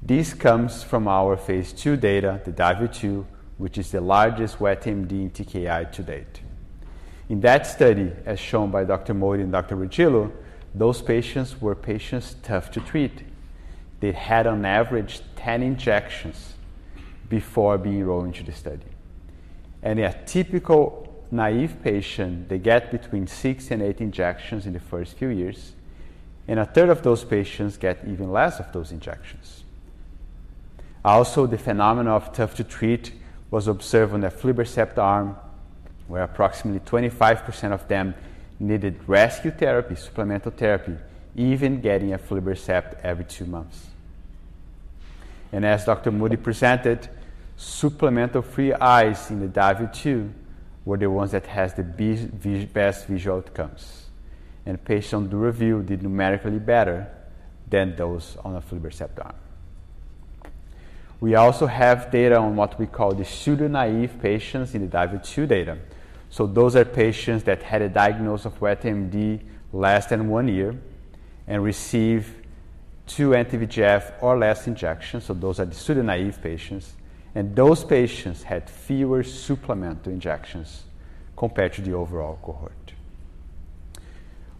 This comes from our phase II data, the DAVIO 2, which is the largest wet AMD TKI to date. In that study, as shown by Dr. Modi and Dr. Regillo, those patients were patients tough to treat. They had on average, 10 injections before being enrolled into the study. And a typical naive patient, they get between 6 and 8 injections in the first few years, and a third of those patients get even less of those injections. Also, the phenomena of tough to treat was observed on the aflibercept arm, where approximately 25% of them needed rescue therapy, supplemental therapy, even getting aflibercept every two months. And as Dr. Modi presented, supplement-free eyes in the DAVIO 2 were the ones that has the best visual outcomes, and patients on DURAVYU did numerically better than those on aflibercept arm. We also have data on what we call the pseudo-naive patients in the DAVIO 2 data. So those are patients that had a diagnosis of wet AMD less than 1 year and received 2 anti-VEGF or less injections. So those are the pseudo-naive patients, and those patients had fewer supplemental injections compared to the overall cohort.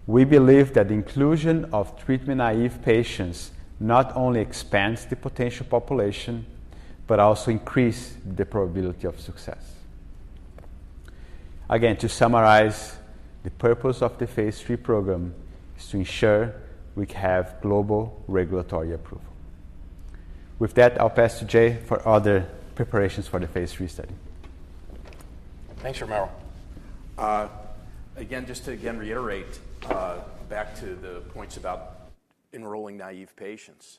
We believe that the inclusion of treatment-naive patients not only expands the potential population, but also increase the probability of success. Again, to summarize, the purpose of the phase III program is to ensure we have global regulatory approval. With that, I'll pass to Jay for other preparations for the phase III study. Thanks, Romao. Again, just to again reiterate, back to the points about enrolling naive patients.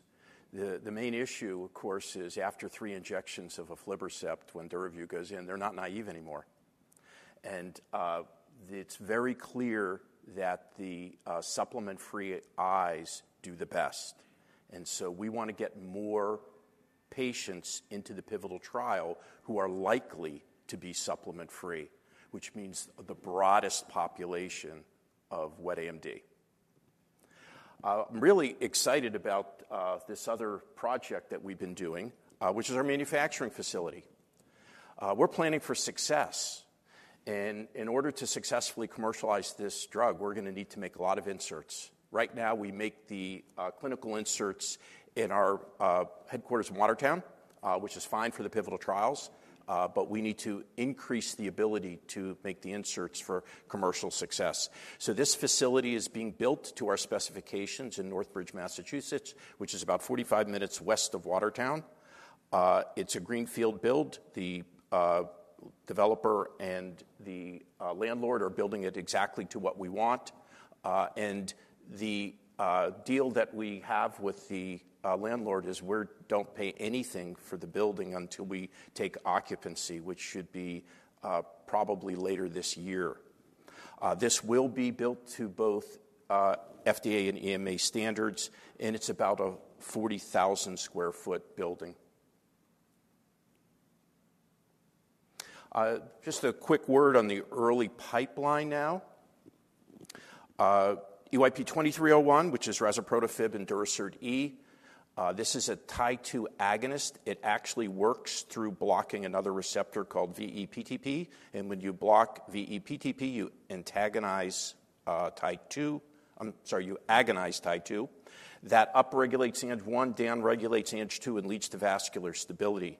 The main issue, of course, is after 3 injections of aflibercept, when DURAVYU goes in, they're not naive anymore. It's very clear that the supplement-free eyes do the best, and so we want to get more patients into the pivotal trial who are likely to be supplement-free, which means the broadest population of wet AMD. I'm really excited about this other project that we've been doing, which is our manufacturing facility. We're planning for success, and in order to successfully commercialize this drug, we're going to need to make a lot of inserts. Right now, we make the clinical inserts in our headquarters in Watertown, which is fine for the pivotal trials, but we need to increase the ability to make the inserts for commercial success. So this facility is being built to our specifications in Northbridge, Massachusetts, which is about 45 minutes west of Watertown. It's a greenfield build. The developer and the landlord are building it exactly to what we want, and the deal that we have with the landlord is we don't pay anything for the building until we take occupancy, which should be probably later this year. This will be built to both FDA and EMA standards, and it's about a 40,000 sq ft building. Just a quick word on the early pipeline now. EYP-2301, which is razuprotafib and Durasert E. This is a Tie2 agonist. It actually works through blocking another receptor called VE-PTP, and when you block VE-PTP, you antagonize Tie2. I'm sorry, you agonize Tie2. That upregulates Ang-1, downregulates Ang-2, and leads to vascular stability.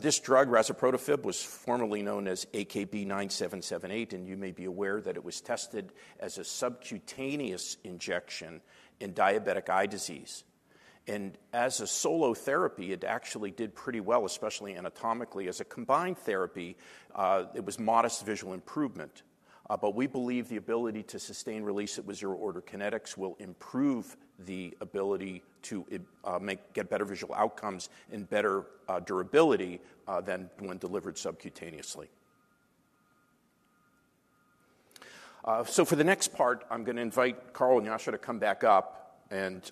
This drug, razuprotafib, was formerly known as AKB-9778, and you may be aware that it was tested as a subcutaneous injection in diabetic eye disease. As a solo therapy, it actually did pretty well, especially anatomically. As a combined therapy, it was modest visual improvement, but we believe the ability to sustain release with zero-order kinetics will improve the ability to get better visual outcomes and better durability than when delivered subcutaneously. So for the next part, I'm gonna invite Carl and Yasha to come back up, and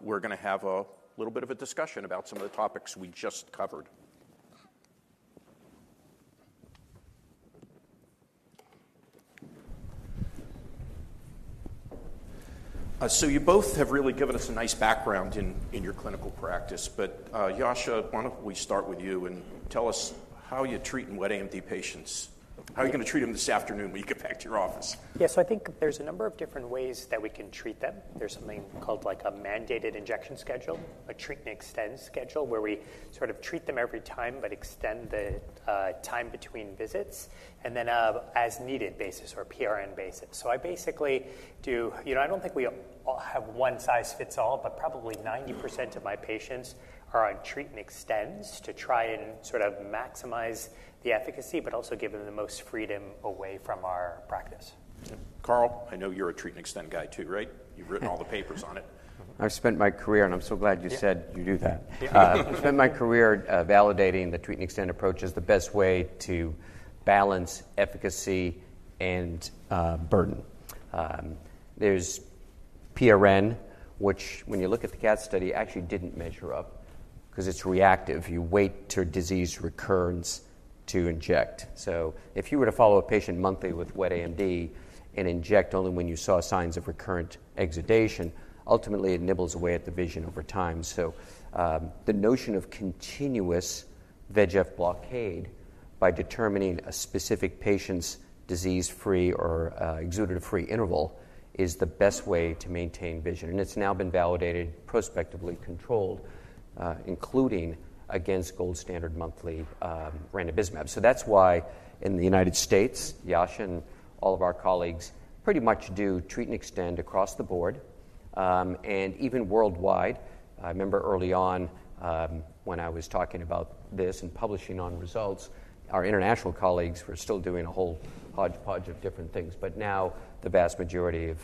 we're gonna have a little bit of a discussion about some of the topics we just covered. You both have really given us a nice background in your clinical practice, but Yasha, why don't we start with you and tell us how you treat wet AMD patients? How are you gonna treat them this afternoon when you get back to your office? Yes, I think there's a number of different ways that we can treat them. There's something called, like, a mandated injection schedule, a treat and extend schedule, where we sort of treat them every time but extend the time between visits and then as-needed basis or PRN basis. So I basically do... You know, I don't think we all have one size fits all, but probably 90% of my patients are on treat and extends to try and sort of maximize the efficacy but also give them the most freedom away from our practice. Carl, I know you're a treat and extend guy, too, right? You've written all the papers on it. I've spent my career, and I'm so glad you said you do that. Yeah. I've spent my career validating the treat-and-extend approach as the best way to balance efficacy and burden. There's PRN, which, when you look at the CATT study, actually didn't measure up 'cause it's reactive. You wait till disease recurrence to inject. So if you were to follow a patient monthly with wet AMD and inject only when you saw signs of recurrent exudation, ultimately it nibbles away at the vision over time. So the notion of continuous VEGF blockade by determining a specific patient's disease-free or exudative-free interval is the best way to maintain vision, and it's now been validated, prospectively controlled, including against gold standard monthly ranibizumab. So that's why in the United States, Yasha and all of our colleagues pretty much do treat-and-extend across the board, and even worldwide. I remember early on, when I was talking about this and publishing on results, our international colleagues were still doing a whole hodgepodge of different things, but now the vast majority of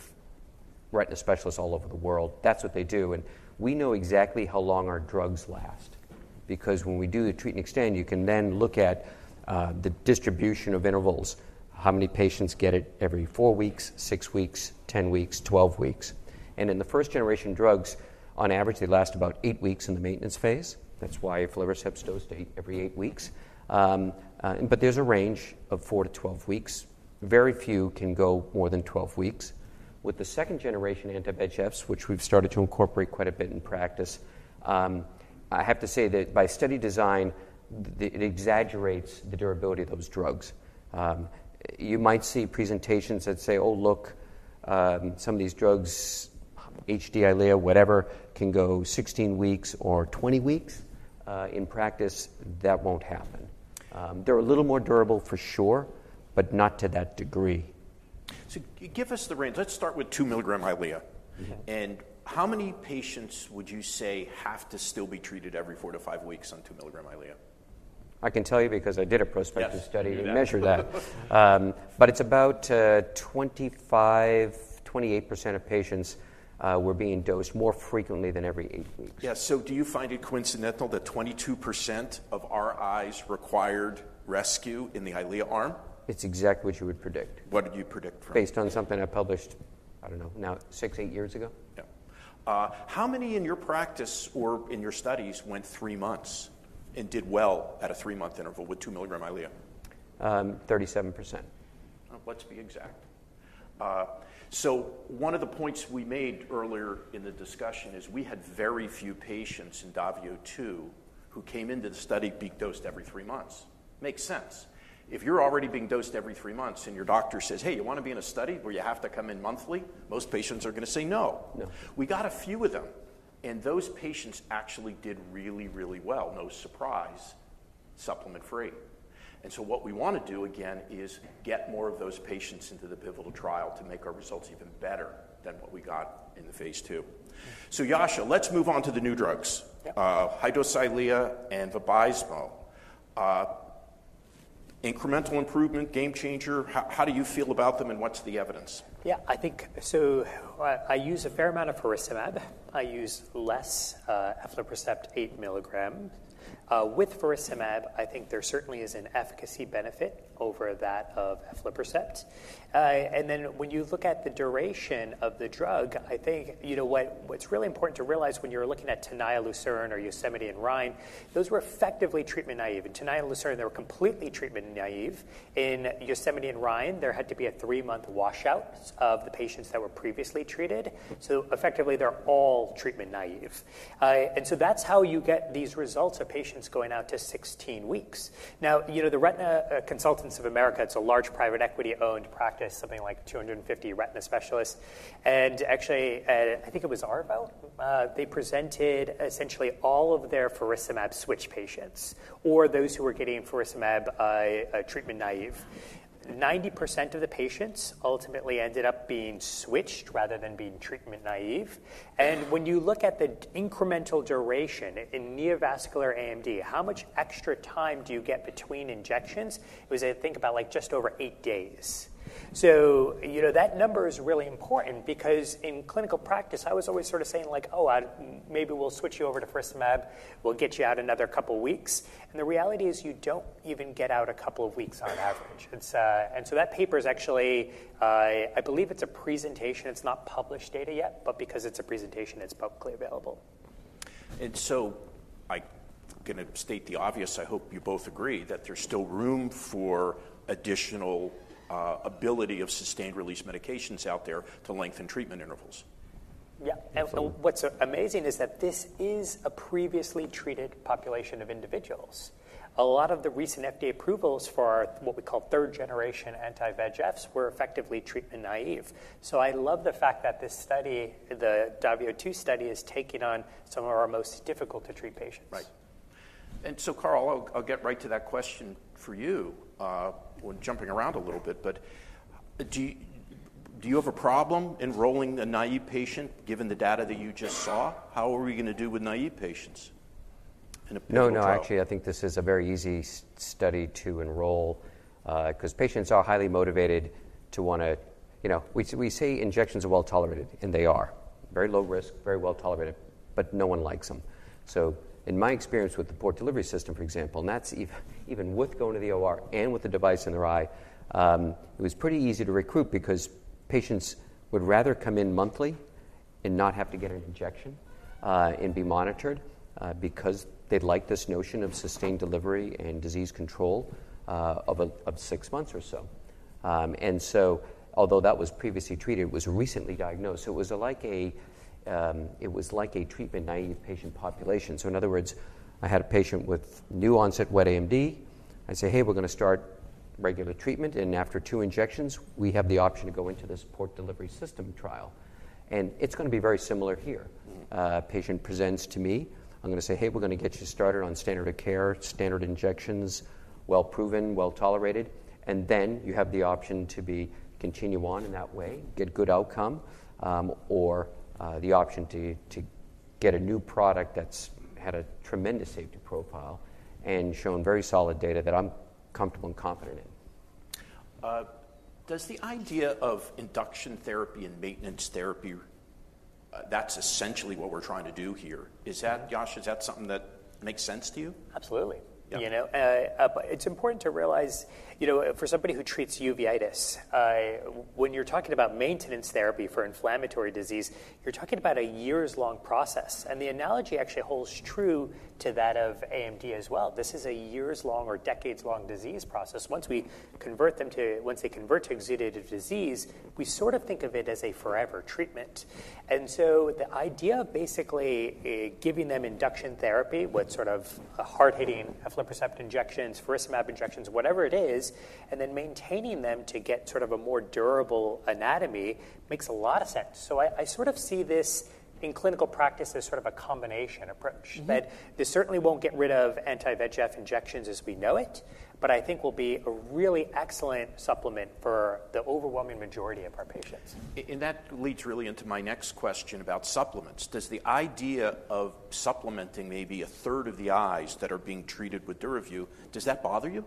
retina specialists all over the world, that's what they do. And we know exactly how long our drugs last, because when we do the treat-and-extend, you can then look at the distribution of intervals, how many patients get it every 4 weeks, 6 weeks, 10 weeks, 12 weeks. And in the first-generation drugs, on average, they last about 8 weeks in the maintenance phase. That's why aflibercept's dosed 8, every 8 weeks. But there's a range of 4-12 weeks. Very few can go more than 12 weeks. With the second-generation anti-VEGFs, which we've started to incorporate quite a bit in practice, I have to say that by study design, it exaggerates the durability of those drugs. You might see presentations that say, "Oh, look, some of these drugs, Eylea HD, whatever, can go 16 weeks or 20 weeks." In practice, that won't happen. They're a little more durable for sure, but not to that degree. Give us the range. Let's start with 2-milligram Eylea. Mm-hmm. How many patients would you say have to still be treated every 4-5 weeks on 2-milligram Eylea? I can tell you because I did a prospective study- Yes, you did. to measure that. But it's about 25%-28% of patients were being dosed more frequently than every eight weeks. Yeah. So do you find it coincidental that 22% of our eyes required rescue in the Eylea arm? It's exactly what you would predict. What did you predict from it? Based on something I published, I don't know, now 6-8 years ago. Yeah. How many in your practice or in your studies went three months and did well at a three-month interval with 2-milligram Eylea? 37%. Let's be exact. So one of the points we made earlier in the discussion is we had very few patients in DAVIO 2 who came into the study being dosed every three months. Makes sense. If you're already being dosed every three months, and your doctor says, "Hey, you wanna be in a study where you have to come in monthly?" Most patients are gonna say no. No. We got a few of them, and those patients actually did really, really well. No surprise, supplement-free. And so what we wanna do, again, is get more of those patients into the pivotal trial to make our results even better than what we got in the phase II. So Yasha, let's move on to the new drugs. Yeah. Eylea and Vabysmo. Incremental improvement, game changer? How, how do you feel about them, and what's the evidence? Yeah, I think. So I use a fair amount of faricimab. I use less aflibercept 8 milligram. With faricimab, I think there certainly is an efficacy benefit over that of aflibercept. And then when you look at the duration of the drug, I think, you know, what's really important to realize when you're looking at TENAYA-LUCERNE or YOSEMITE and RHINE, those were effectively treatment naive. In TENAYA-LUCERNE, they were completely treatment naive. In YOSEMITE and RHINE, there had to be a 3-month washout of the patients that were previously treated, so effectively, they're all treatment naive. And so that's how you get these results of patients going out to 16 weeks. Now, you know, the Retina Consultants of America, it's a large private equity-owned practice, something like 250 retina specialists, and actually, I think it was Arshad? They presented essentially all of their faricimab switch patients or those who were getting faricimab by treatment naive. 90% of the patients ultimately ended up being switched rather than being treatment naive. And when you look at the incremental duration in neovascular AMD, how much extra time do you get between injections? It was, I think, about, like, just over 8 days. So you know, that number is really important because in clinical practice, I was always sort of saying, like: "Oh, I maybe we'll switch you over to faricimab. We'll get you out another couple weeks." And the reality is, you don't even get out a couple of weeks on average. It's. And so that paper is actually, I believe it's a presentation. It's not published data yet, but because it's a presentation, it's publicly available. I gonna state the obvious, I hope you both agree, that there's still room for additional ability of sustained-release medications out there to lengthen treatment intervals. Yeah. So- What's amazing is that this is a previously treated population of individuals. A lot of the recent FDA approvals for what we call third-generation anti-VEGFs were effectively treatment naive. I love the fact that this study, the DAVIO 2 study, is taking on some of our most difficult to treat patients. Right. And so, Carl, I'll get right to that question for you. We're jumping around a little bit, but do you have a problem enrolling a naive patient, given the data that you just saw? How are we gonna do with naive patients in a pivotal trial? No, no, actually, I think this is a very easy study to enroll, 'cause patients are highly motivated to wanna... You know, we say injections are well-tolerated, and they are. Very low risk, very well-tolerated, but no one likes them. So in my experience with the port delivery system, for example, and that's even with going to the OR and with the device in their eye, it was pretty easy to recruit because patients would rather come in monthly and not have to get an injection, and be monitored, because they like this notion of sustained delivery and disease control, of a, of six months or so. And so although that was previously treated, it was recently diagnosed, so it was like a, it was like a treatment-naive patient population. So in other words, I had a patient with new-onset wet AMD. I'd say, "Hey, we're gonna start regular treatment, and after 2 injections, we have the option to go into this port delivery system trial." And it's gonna be very similar here. Mm. Patient presents to me. I'm gonna say: Hey, we're gonna get you started on standard of care, standard injections, well-proven, well-tolerated, and then you have the option to continue on in that way, get good outcome, or the option to get a new product that's had a tremendous safety profile and shown very solid data that I'm comfortable and confident in. Does the idea of induction therapy and maintenance therapy, that's essentially what we're trying to do here. Mm. Is that, Yasha, is that something that makes sense to you? Absolutely. Yeah. You know, but it's important to realize, you know, for somebody who treats uveitis, when you're talking about maintenance therapy for inflammatory disease, you're talking about a years-long process, and the analogy actually holds true to that of AMD as well. This is a years-long or decades-long disease process. Once they convert to exudative disease, we sort of think of it as a forever treatment. And so the idea of basically giving them induction therapy with sort of a hard-hitting aflibercept injections, faricimab injections, whatever it is, and then maintaining them to get sort of a more durable anatomy, makes a lot of sense. So I sort of see this in clinical practice as sort of a combination approach. Mm-hmm. That this certainly won't get rid of anti-VEGF injections as we know it, but I think will be a really excellent supplement for the overwhelming majority of our patients. That leads really into my next question about supplements. Does the idea of supplementing maybe a third of the eyes that are being treated with DURAVYU, does that bother you?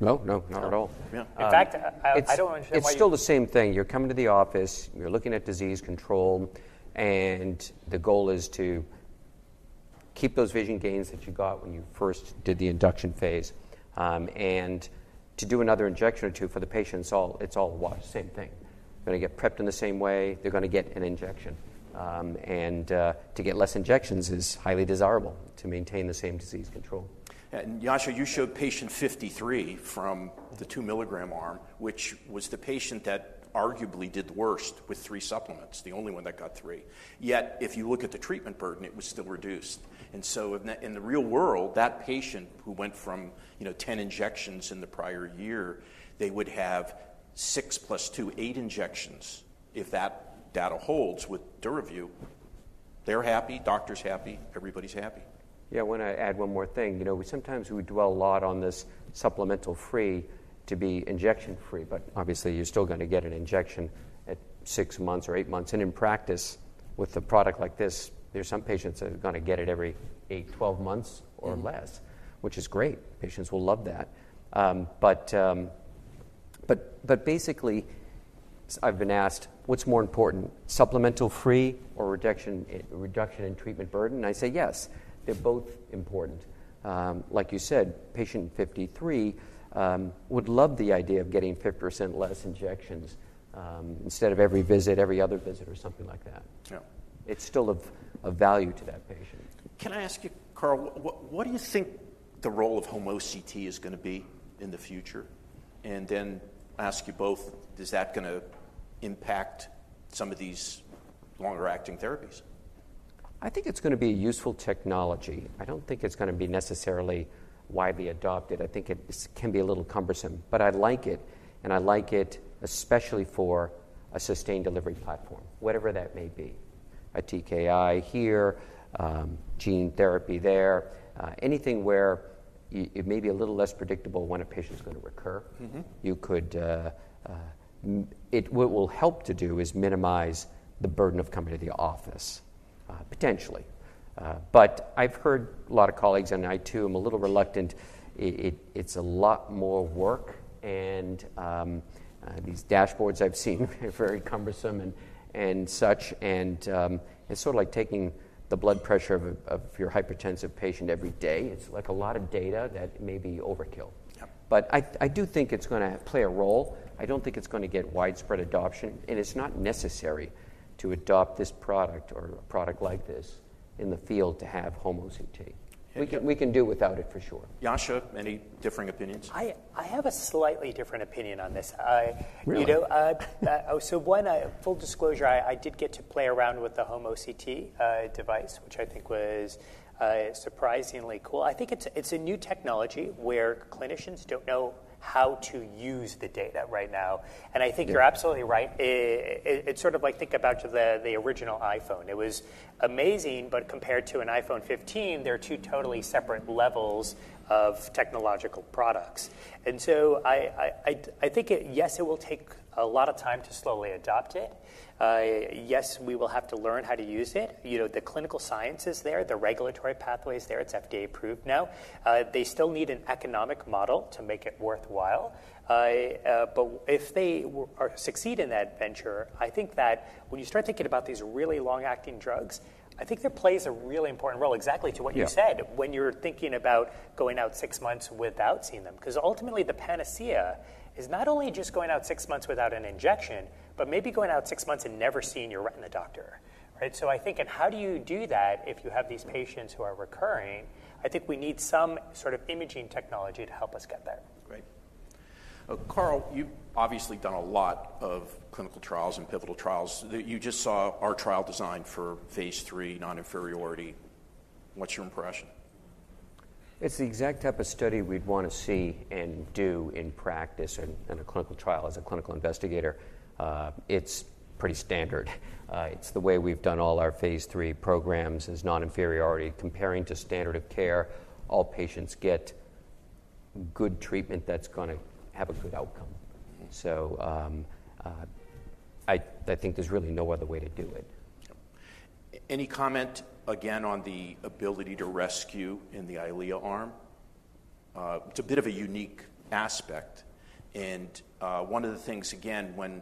No, no, not at all. Yeah. Um- In fact, I don't understand why you- It's still the same thing. You're coming to the office, you're looking at disease control, and the goal is to keep those vision gains that you got when you first did the induction phase. And to do another injection or two for the patient, it's all, it's all one, same thing. Gonna get prepped in the same way, they're gonna get an injection. And to get less injections is highly desirable to maintain the same disease control. ... And Yasha, you showed patient 53 from the 2 milligram arm, which was the patient that arguably did the worst with three supplements, the only one that got three. Yet, if you look at the treatment burden, it was still reduced. And so if that, in the real world, that patient who went from, you know, 10 injections in the prior year, they would have 6 + 2, 8 injections. If that data holds with DURAVYU, they're happy, doctor's happy, everybody's happy. Yeah, I want to add one more thing. You know, we sometimes dwell a lot on this supplemental free to be injection free, but obviously, you're still going to get an injection at 6 months or 8 months, and in practice, with a product like this, there's some patients that are going to get it every 8, 12 months or less- Mm. -which is great. Patients will love that. But basically, I've been asked, what's more important, injection-free or reduction in treatment burden? And I say, "Yes, they're both important." Like you said, patient 53 would love the idea of getting 50% less injections, instead of every visit, every other visit or something like that. Yeah. It's still of value to that patient. Can I ask you, Carl, what, what do you think the role of home OCT is going to be in the future? And then ask you both, is that going to impact some of these longer-acting therapies? I think it's going to be a useful technology. I don't think it's going to be necessarily widely adopted. I think it can be a little cumbersome, but I like it, and I like it, especially for a sustained delivery platform, whatever that may be. A TKI here, gene therapy there, anything where it may be a little less predictable when a patient's going to recur. Mm-hmm. You could. What it will help to do is minimize the burden of coming to the office, potentially. But I've heard a lot of colleagues, and I, too, am a little reluctant. It's a lot more work, and these dashboards I've seen are very cumbersome and such, and it's sort of like taking the blood pressure of your hypertensive patient every day. It's like a lot of data that may be overkill. Yeah. But I do think it's going to play a role. I don't think it's going to get widespread adoption, and it's not necessary to adopt this product or a product like this in the field to have home OCT. We can do without it for sure. Yasha, any differing opinions? I have a slightly different opinion on this. I- Really? You know, so one full disclosure, I did get to play around with the home OCT device, which I think was surprisingly cool. I think it's a new technology where clinicians don't know how to use the data right now. Yeah. And I think you're absolutely right. It's sort of like, think about the original iPhone. It was amazing, but compared to an iPhone 15, they're two totally separate levels of technological products. And so I think it... Yes, it will take a lot of time to slowly adopt it. Yes, we will have to learn how to use it. You know, the clinical science is there, the regulatory pathway is there. It's FDA approved now. They still need an economic model to make it worthwhile. But if they succeed in that venture, I think that when you start thinking about these really long-acting drugs, I think it plays a really important role, exactly to what you said- Yeah... when you're thinking about going out six months without seeing them. 'Cause ultimately, the panacea is not only just going out six months without an injection, but maybe going out six months and never seeing your retina doctor, right? So I think, and how do you do that if you have these patients who are recurring? I think we need some sort of imaging technology to help us get there. Great. Carl, you've obviously done a lot of clinical trials and pivotal trials. You just saw our trial design for phase III non-inferiority. What's your impression? It's the exact type of study we'd want to see and do in practice and in a clinical trial as a clinical investigator. It's pretty standard. It's the way we've done all our phase III programs is non-inferiority, comparing to standard of care. All patients get good treatment that's gonna have a good outcome. So, I think there's really no other way to do it. Any comment again on the ability to rescue in the Eylea arm? It's a bit of a unique aspect, and, one of the things, again, when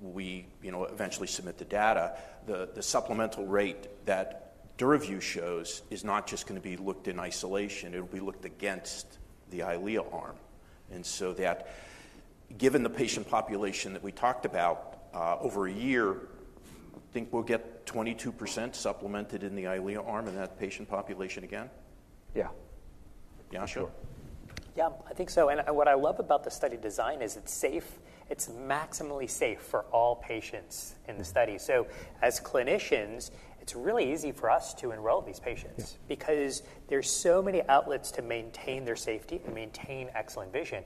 we, you know, eventually submit the data, the, the supplemental rate that DURAVYU shows is not just going to be looked in isolation, it'll be looked against the Eylea arm. And so that, given the patient population that we talked about, over a year, think we'll get 22% supplemented in the Eylea arm in that patient population again? Yeah. Jascha? Yeah, I think so. What I love about the study design is it's safe. It's maximally safe for all patients in the study. Mm. As clinicians, it's really easy for us to enroll these patients- Yeah... because there's so many outlets to maintain their safety and maintain excellent vision.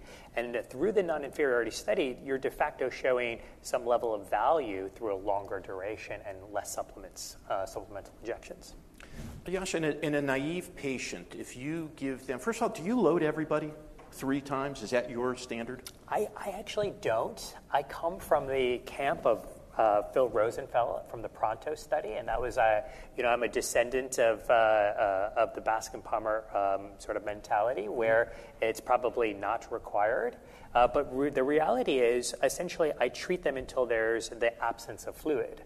Through the non-inferiority study, you're de facto showing some level of value through a longer duration and less supplements, supplemental injections. Yasha, in a naive patient, if you give them... First of all, do you load everybody three times? Is that your standard? I actually don't. I come from the camp of Phil Rosenfeld from the PRONTO study, and that was a... You know, I'm a descendant of the Bascom Palmer sort of mentality- Mm-hmm... where it's probably not required. But the reality is, essentially, I treat them until there's the absence of fluid.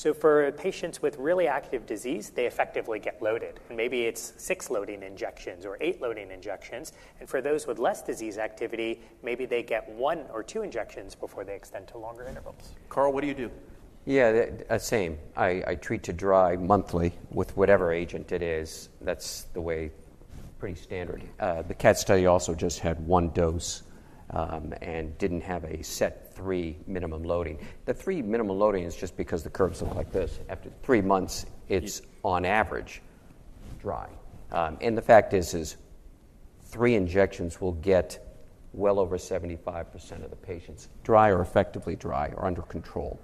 So for patients with really active disease, they effectively get loaded, and maybe it's 6 loading injections or 8 loading injections, and for those with less disease activity, maybe they get 1 or 2 injections before they extend to longer intervals. Carl, what do you do?... Yeah, the same. I, I treat to dry monthly with whatever agent it is. That's the way, pretty standard. The CATT study also just had one dose, and didn't have a set three minimum loading. The three minimum loading is just because the curves look like this. After three months, it's on average dry. And the fact is three injections will get well over 75% of the patients dry or effectively dry or under control.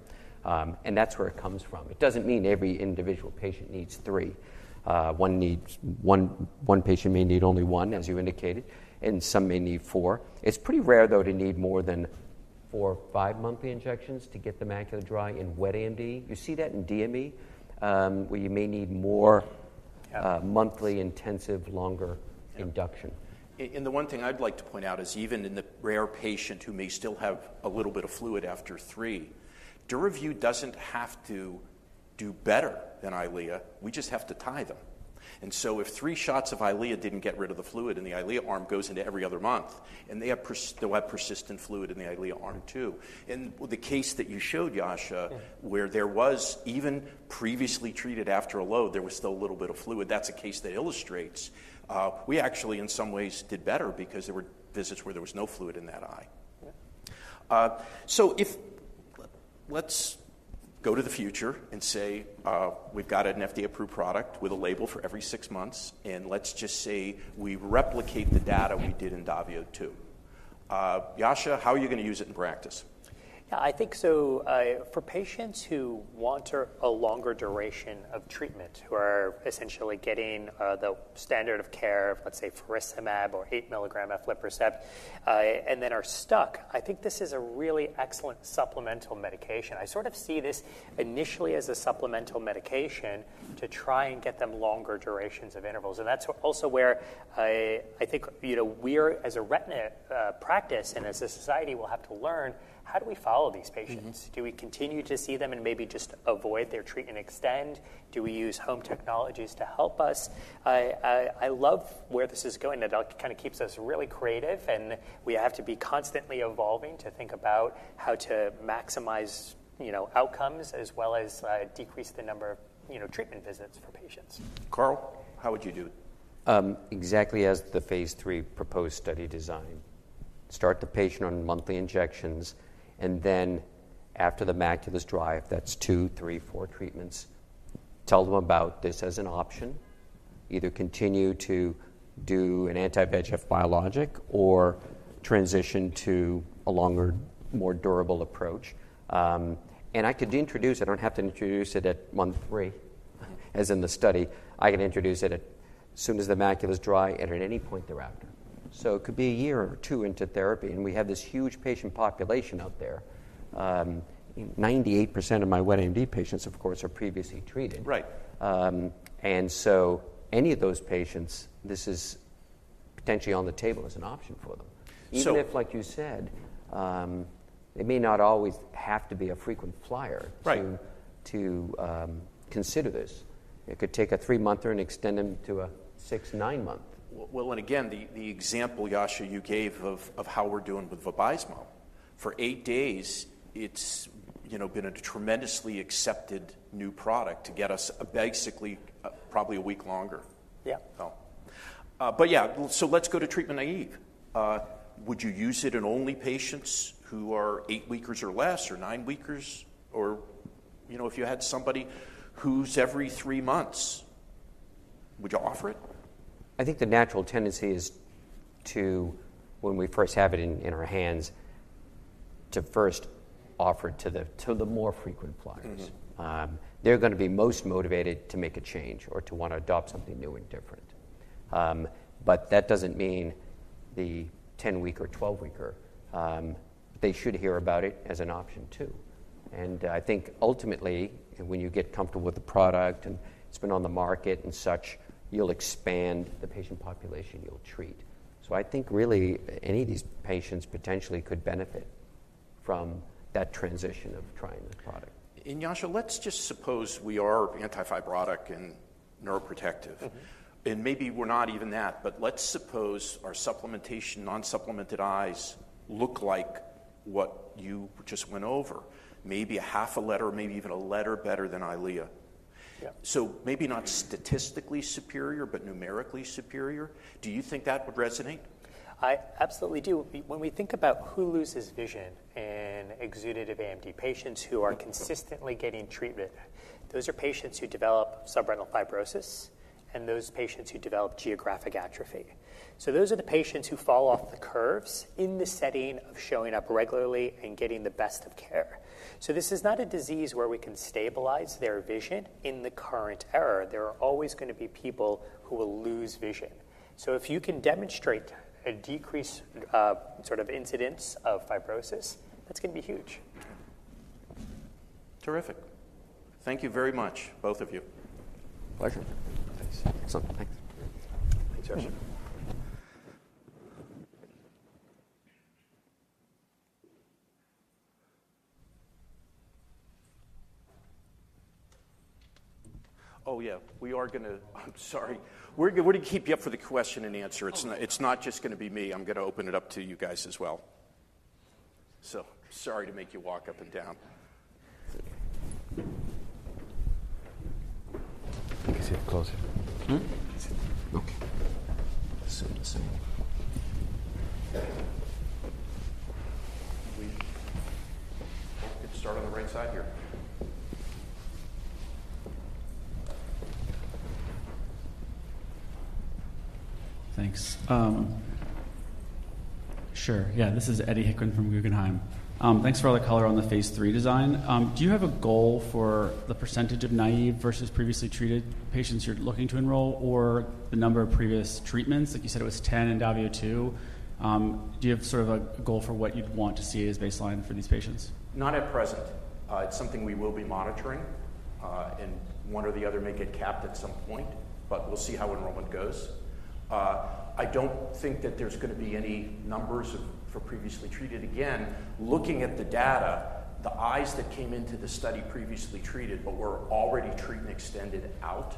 And that's where it comes from. It doesn't mean every individual patient needs three. One patient may need only one, as you indicated, and some may need four. It's pretty rare, though, to need more than four or five monthly injections to get the macular dry in wet AMD. You see that in DME, where you may need more- Yeah... monthly, intensive, longer induction. And the one thing I'd like to point out is even in the rare patient who may still have a little bit of fluid after 3, DURAVYU doesn't have to do better than Eylea, we just have to tie them. And so if 3 shots of Eylea didn't get rid of the fluid, and the Eylea arm goes into every other month, and they'll have persistent fluid in the Eylea arm, too. And the case that you showed, Yasha- Yeah... where there was even previously treated after a load, there was still a little bit of fluid. That's a case that illustrates, we actually in some ways did better because there were visits where there was no fluid in that eye. Yeah. So, let's go to the future and say we've got an FDA-approved product with a label for every six months, and let's just say we replicate the data we did in DAVIO 2. Yasha, how are you gonna use it in practice? Yeah, I think so. For patients who want a longer duration of treatment, who are essentially getting the standard of care of, let's say, faricimab or 8 milligram aflibercept, and then are stuck, I think this is a really excellent supplemental medication. I sort of see this initially as a supplemental medication to try and get them longer durations of intervals, and that's also where I think, you know, we're, as a retina practice and as a society, will have to learn, how do we follow these patients? Mm-hmm. Do we continue to see them and maybe just avoid their treat-and-extend? Do we use home technologies to help us? I love where this is going. It kind of keeps us really creative, and we have to be constantly evolving to think about how to maximize, you know, outcomes as well as decrease the number, you know, treatment visits for patients. Carl, how would you do it? Exactly as the phase III proposed study design. Start the patient on monthly injections, and then after the macula's dry, if that's two, three, four treatments, tell them about this as an option. Either continue to do an anti-VEGF biologic or transition to a longer, more durable approach. And I could introduce... I don't have to introduce it at month three, as in the study. I can introduce it as soon as the macula's dry and at any point thereafter. So it could be a year or two into therapy, and we have this huge patient population out there. 98% of my wet AMD patients, of course, are previously treated. Right. Any of those patients, this is potentially on the table as an option for them. So- Even if, like you said, they may not always have to be a frequent flyer- Right... to consider this. It could take a 3-monther and extend them to a 6-, 9-month. Well, and again, the example, Yasha, you gave of how we're doing with Vabysmo. For eight days, it's, you know, been a tremendously accepted new product to get us basically probably a week longer. Yeah. So, but yeah. So let's go to treatment-naïve. Would you use it in only patients who are 8-weekers or less or 9-weekers? Or, you know, if you had somebody who's every 3 months, would you offer it? I think the natural tendency is to, when we first have it in our hands, to first offer it to the more frequent flyers. Mm-hmm. They're gonna be most motivated to make a change or to want to adopt something new and different. But that doesn't mean the 10-weeker, 12-weeker, they should hear about it as an option, too. And I think ultimately, when you get comfortable with the product, and it's been on the market and such, you'll expand the patient population you'll treat. So I think really, any of these patients potentially could benefit from that transition of trying the product. Yasha, let's just suppose we are anti-fibrotic and neuroprotective. Mm-hmm. Maybe we're not even that, but let's suppose our supplementation, non-supplemented eyes, look like what you just went over, maybe a half a letter, maybe even a letter better than Eylea. Yeah. So maybe not statistically superior, but numerically superior. Do you think that would resonate? I absolutely do. When we think about who loses vision in exudative AMD, patients who are consistently getting treatment, those are patients who develop subretinal fibrosis and those patients who develop geographic atrophy. So those are the patients who fall off the curves in the setting of showing up regularly and getting the best of care. So this is not a disease where we can stabilize their vision in the current era. There are always gonna be people who will lose vision. So if you can demonstrate a decrease, sort of incidence of fibrosis, that's gonna be huge. Terrific. Thank you very much, both of you. Pleasure. Thanks. Excellent. Thanks. Thanks, Yasha.... Oh, yeah, we are gonna. I'm sorry. We're gonna keep you up for the question and answer. Oh. It's not, it's not just gonna be me. I'm gonna open it up to you guys as well. So sorry to make you walk up and down. I can see it closer. Hmm? I can see it. Okay. Let's see, let's see. We'll start on the right side here. Thanks. Sure, yeah. This is Eddie Hickman from Guggenheim. Thanks for all the color on the phase 3 design. Do you have a goal for the percentage of naive versus previously treated patients you're looking to enroll, or the number of previous treatments? Like you said, it was 10 in DAVIO 2. Do you have sort of a goal for what you'd want to see as baseline for these patients? Not at present. It's something we will be monitoring, and one or the other may get capped at some point, but we'll see how enrollment goes. I don't think that there's gonna be any numbers of... for previously treated. Again, looking at the data, the eyes that came into the study previously treated but were already treatment extended out,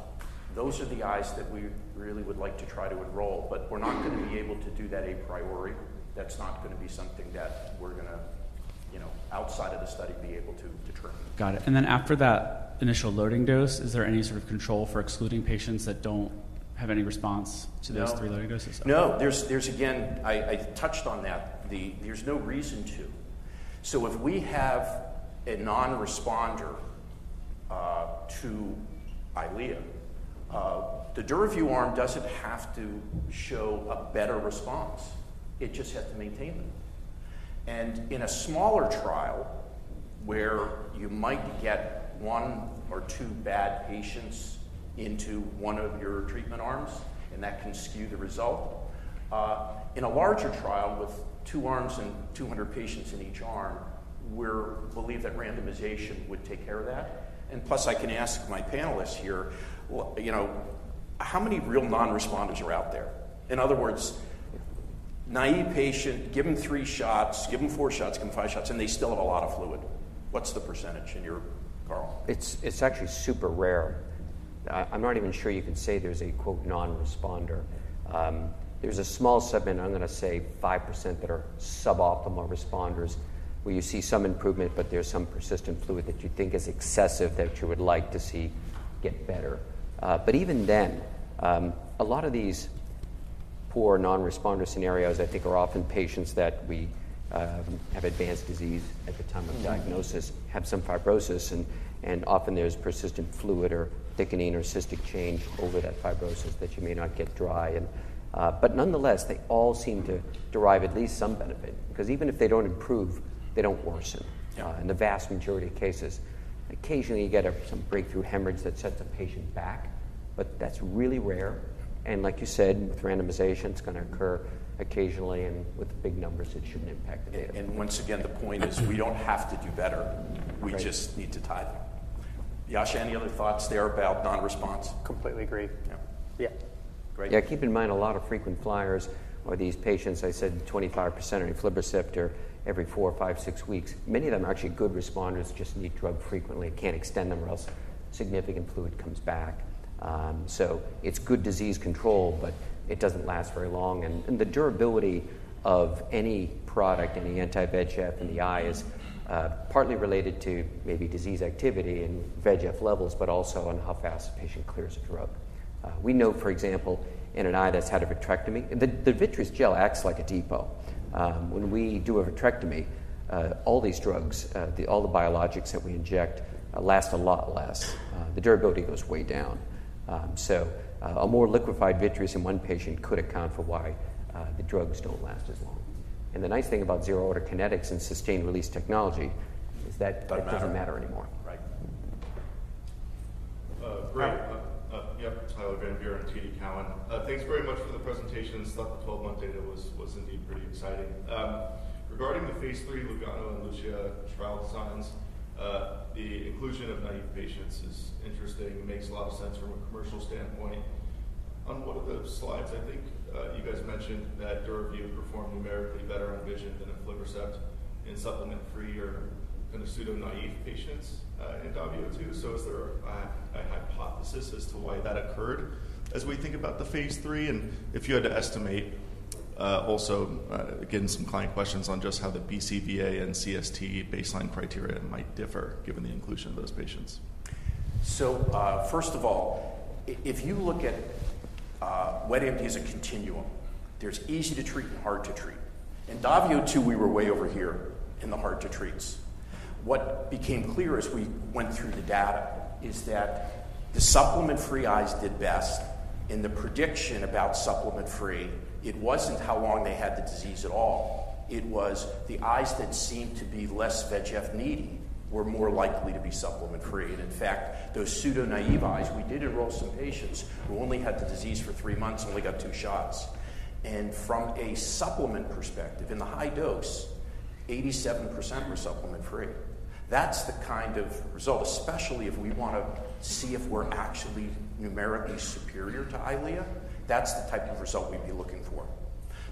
those are the eyes that we really would like to try to enroll, but we're not gonna be able to do that a priori. That's not gonna be something that we're gonna, you know, outside of the study, be able to determine. Got it, and then after that initial loading dose, is there any sort of control for excluding patients that don't have any response to those? No. three loading doses? No. There's... Again, I touched on that. There's no reason to. So if we have a non-responder to Eylea, the DURAVYU arm doesn't have to show a better response. It just has to maintain them. And in a smaller trial, where you might get one or two bad patients into one of your treatment arms, and that can skew the result, in a larger trial with two arms and 200 patients in each arm, we believe that randomization would take care of that. And plus, I can ask my panelists here, you know, how many real non-responders are out there? In other words, naive patient, give them three shots, give them four shots, give them five shots, and they still have a lot of fluid. What's the percentage in your, Carl? It's actually super rare. I'm not even sure you can say there's a, quote, "non-responder." There's a small segment, I'm gonna say 5%, that are suboptimal responders, where you see some improvement, but there's some persistent fluid that you think is excessive that you would like to see get better. But even then, a lot of these poor non-responder scenarios, I think, are often patients that we have advanced disease at the time of diagnosis- Mm-hmm. have some fibrosis, and often there's persistent fluid or thickening or cystic change over that fibrosis that you may not get dry. And, but nonetheless, they all seem to derive at least some benefit, because even if they don't improve, they don't worsen- Yeah. In the vast majority of cases. Occasionally, you get some breakthrough hemorrhage that sets the patient back, but that's really rare. And like you said, with randomization, it's gonna occur occasionally, and with the big numbers, it shouldn't impact the data. And once again, the point is we don't have to do better. Right. We just need to tie them. Yasha, any other thoughts there about non-response? Completely agree. Yeah. Yeah. Great. Yeah, keep in mind, a lot of frequent flyers are these patients. I said 25% are on aflibercept every four, five, six weeks. Many of them are actually good responders, just need drug frequently and can't extend them or else significant fluid comes back. So it's good disease control, but it doesn't last very long. And the durability of any product, any anti-VEGF in the eye is partly related to maybe disease activity and VEGF levels, but also on how fast the patient clears the drug. We know, for example, in an eye that's had a vitrectomy, the vitreous gel acts like a depot. When we do a vitrectomy, all these drugs, all the biologics that we inject, last a lot less. The durability goes way down. So, a more liquefied vitreous in one patient could account for why the drugs don't last as long. And the nice thing about zero-order kinetics and sustained release technology is that- It doesn't matter. It doesn't matter anymore. Right. Great. Yeah, Tyler Van Buren, TD Cowen. Thanks very much for the presentation. I thought the 12-month data was, was indeed pretty exciting. Regarding the phase III LUGANO and LUCIA trial designs, the inclusion of naive patients is interesting. It makes a lot of sense from a commercial standpoint. On one of the slides, I think, you guys mentioned that DURAVYU performed numerically better on vision than aflibercept in supplement-free or in the pseudo-naive patients, in DAVIO 2. So is there a hypothesis as to why that occurred as we think about the phase III? And if you had to estimate, also, again, some client questions on just how the BCVA and CST baseline criteria might differ given the inclusion of those patients. First of all, if you look at wet AMD as a continuum, there's easy to treat and hard to treat. In DAVIO 2, we were way over here in the hard to treats. What became clear as we went through the data is that the supplement-free eyes did best, and the prediction about supplement-free, it wasn't how long they had the disease at all. It was the eyes that seemed to be less VEGF needy were more likely to be supplement-free. And in fact, those pseudo-naive eyes, we did enroll some patients who only had the disease for three months and only got two shots. And from a supplement perspective, in the high dose, 87% were supplement-free. That's the kind of result, especially if we wanna see if we're actually numerically superior to Eylea, that's the type of result we'd be looking for.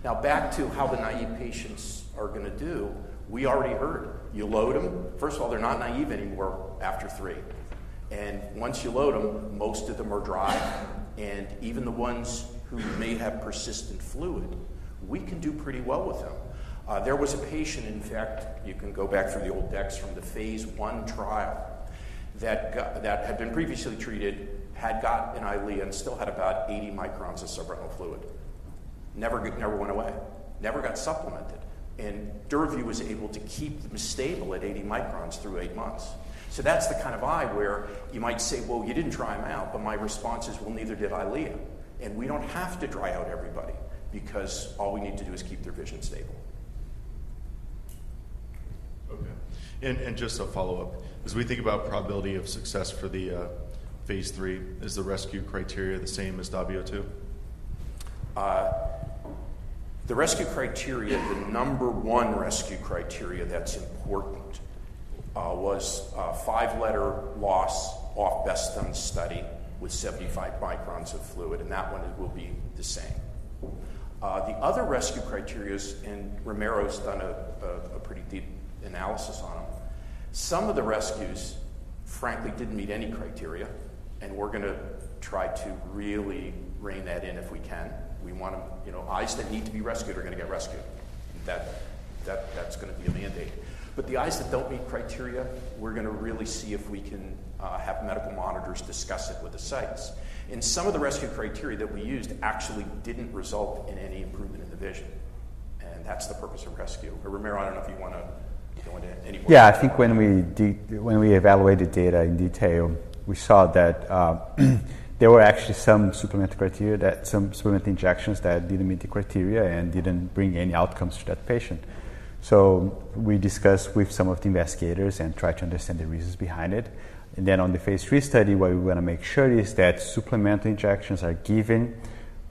Now, back to how the naive patients are gonna do. We already heard. You load them. First of all, they're not naive anymore after 3, and once you load them, most of them are dry, and even the ones who may have persistent fluid, we can do pretty well with them. There was a patient, in fact, you can go back through the old decks from the phase I trial, that had been previously treated, had got an Eylea, and still had about 80 microns of subretinal fluid. Never went away, never got supplemented, and DURAVYU was able to keep them stable at 80 microns through 8 months. So that's the kind of eye where you might say: "Well, you didn't dry him out." But my response is: "Well, neither did Eylea." And we don't have to dry out everybody because all we need to do is keep their vision stable. Okay. And just a follow-up. As we think about probability of success for the Phase 3, is the rescue criteria the same as DAVIO 2? The rescue criteria, the number one rescue criteria that's important, was a 5-letter loss of BCVA in the study with 75 microns of fluid, and that one it will be the same. The other rescue criteria, and Ramiro's done a pretty deep analysis on them. Some of the rescues, frankly, didn't meet any criteria, and we're gonna try to really rein that in if we can. We want to... You know, eyes that need to be rescued are gonna get rescued. That's gonna be a mandate. But the eyes that don't meet criteria, we're gonna really see if we can have medical monitors discuss it with the sites. And some of the rescue criteria that we used actually didn't result in any improvement in the vision, and that's the purpose of rescue. Ramiro, I don't know if you wanna go into any more- Yeah. I think when we evaluated data in detail, we saw that, there were actually some supplemental criteria that some supplemental injections that didn't meet the criteria and didn't bring any outcomes to that patient. So we discussed with some of the investigators and tried to understand the reasons behind it. Then on the phase III study, what we wanna make sure is that supplemental injections are given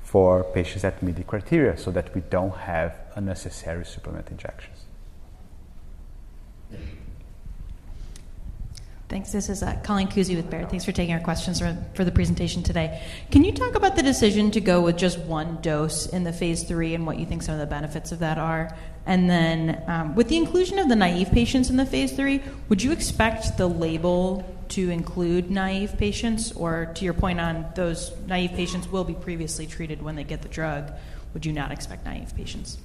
for patients that meet the criteria so that we don't have unnecessary supplemental injections. Thanks. This is, Colleen Kusy with Baird. Thanks for taking our questions for, for the presentation today. Can you talk about the decision to go with just one dose in the phase III and what you think some of the benefits of that are? And then, with the inclusion of the naive patients in the phase III, would you expect the label to include naive patients, or to your point on those naive patients will be previously treated when they get the drug? Would you not expect naive patients?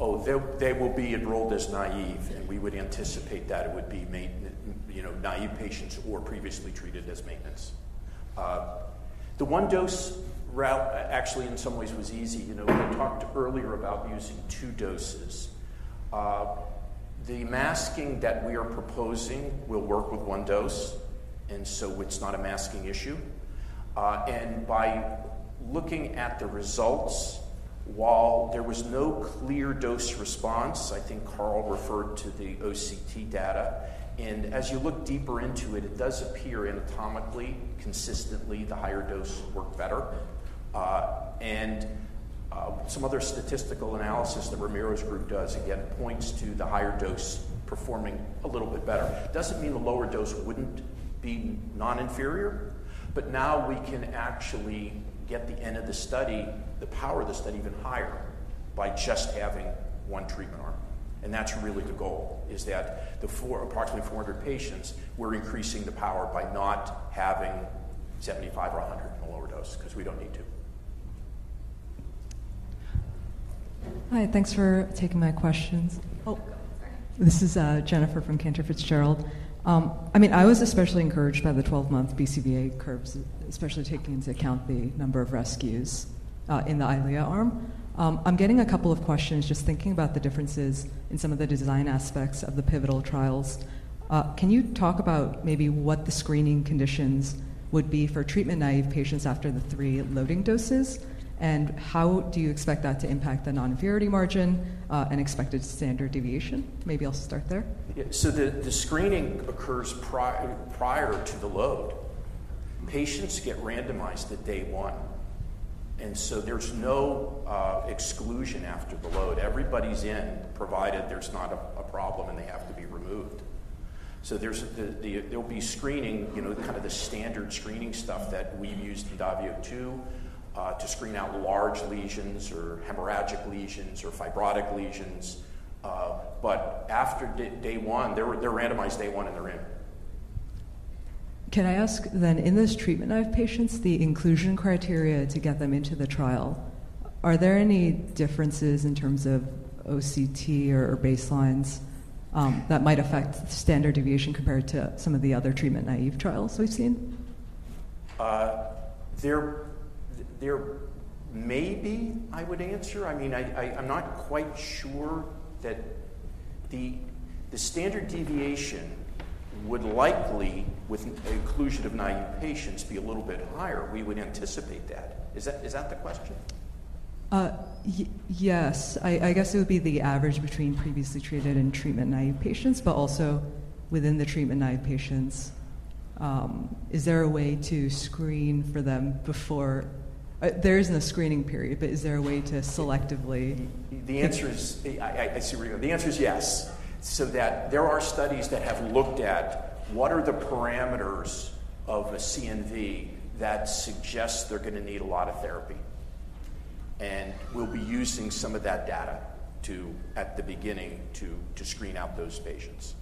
Oh, they will be enrolled as naive, and we would anticipate that it would be mainly, you know, naive patients or previously treated as maintenance. The one-dose route actually in some ways was easy. You know, we talked earlier about using two doses. The masking that we are proposing will work with one dose, and so it's not a masking issue. And by looking at the results, while there was no clear dose response, I think Carl referred to the OCT data, and as you look deeper into it, it does appear anatomically, consistently, the higher dose worked better. And some other statistical analysis that Ramiro's group does, again, points to the higher dose performing a little bit better. Doesn't mean the lower dose wouldn't be non-inferior, but now we can actually get the end of the study, the power of the study even higher by just having one treatment arm. And that's really the goal, is that the four, approximately 400 patients, we're increasing the power by not having 75 or 100 in the lower dose, 'cause we don't need to. Hi, thanks for taking my questions. Oh! Sorry. This is, Jennifer from Cantor Fitzgerald. I mean, I was especially encouraged by the 12-month BCVA curves, especially taking into account the number of rescues, in the Eylea arm. I'm getting a couple of questions, just thinking about the differences in some of the design aspects of the pivotal trials. Can you talk about maybe what the screening conditions would be for treatment-naive patients after the three loading doses? And how do you expect that to impact the non-inferiority margin, and expected standard deviation? Maybe I'll start there. Yeah. So the screening occurs prior to the load. Patients get randomized at day one, and so there's no exclusion after the load. Everybody's in, provided there's not a problem, and they have to be removed. So there's the... There'll be screening, you know, kind of the standard screening stuff that we used in DAVIO 2, to screen out large lesions or hemorrhagic lesions or fibrotic lesions. But after day one, they're randomized day one, and they're in. Can I ask then, in this treatment-naive patients, the inclusion criteria to get them into the trial, are there any differences in terms of OCT or baselines, that might affect standard deviation compared to some of the other treatment-naive trials we've seen? There may be, I would answer. I mean, I'm not quite sure that the standard deviation would likely, with inclusion of naive patients, be a little bit higher. We would anticipate that. Is that the question? Yes. I guess it would be the average between previously treated and treatment-naive patients, but also within the treatment-naive patients, is there a way to screen for them before... There isn't a screening period, but is there a way to selectively- The answer is... I see what you mean. The answer is yes. So there are studies that have looked at what are the parameters of a CNV that suggests they're gonna need a lot of therapy. And we'll be using some of that data to, at the beginning, screen out those patients.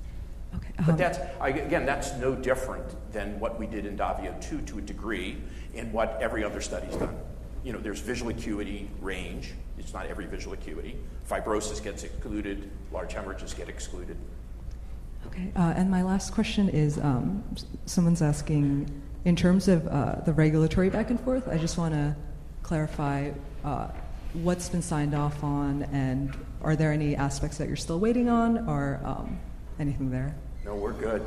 Okay, um- But that's, again, that's no different than what we did in DAVIO 2 to a degree, and what every other study's done. You know, there's visual acuity range. It's not every visual acuity. Fibrosis gets excluded, large hemorrhages get excluded. Okay, and my last question is, someone's asking, in terms of, the regulatory back and forth, I just wanna clarify, what's been signed off on, and are there any aspects that you're still waiting on or, anything there? No, we're good.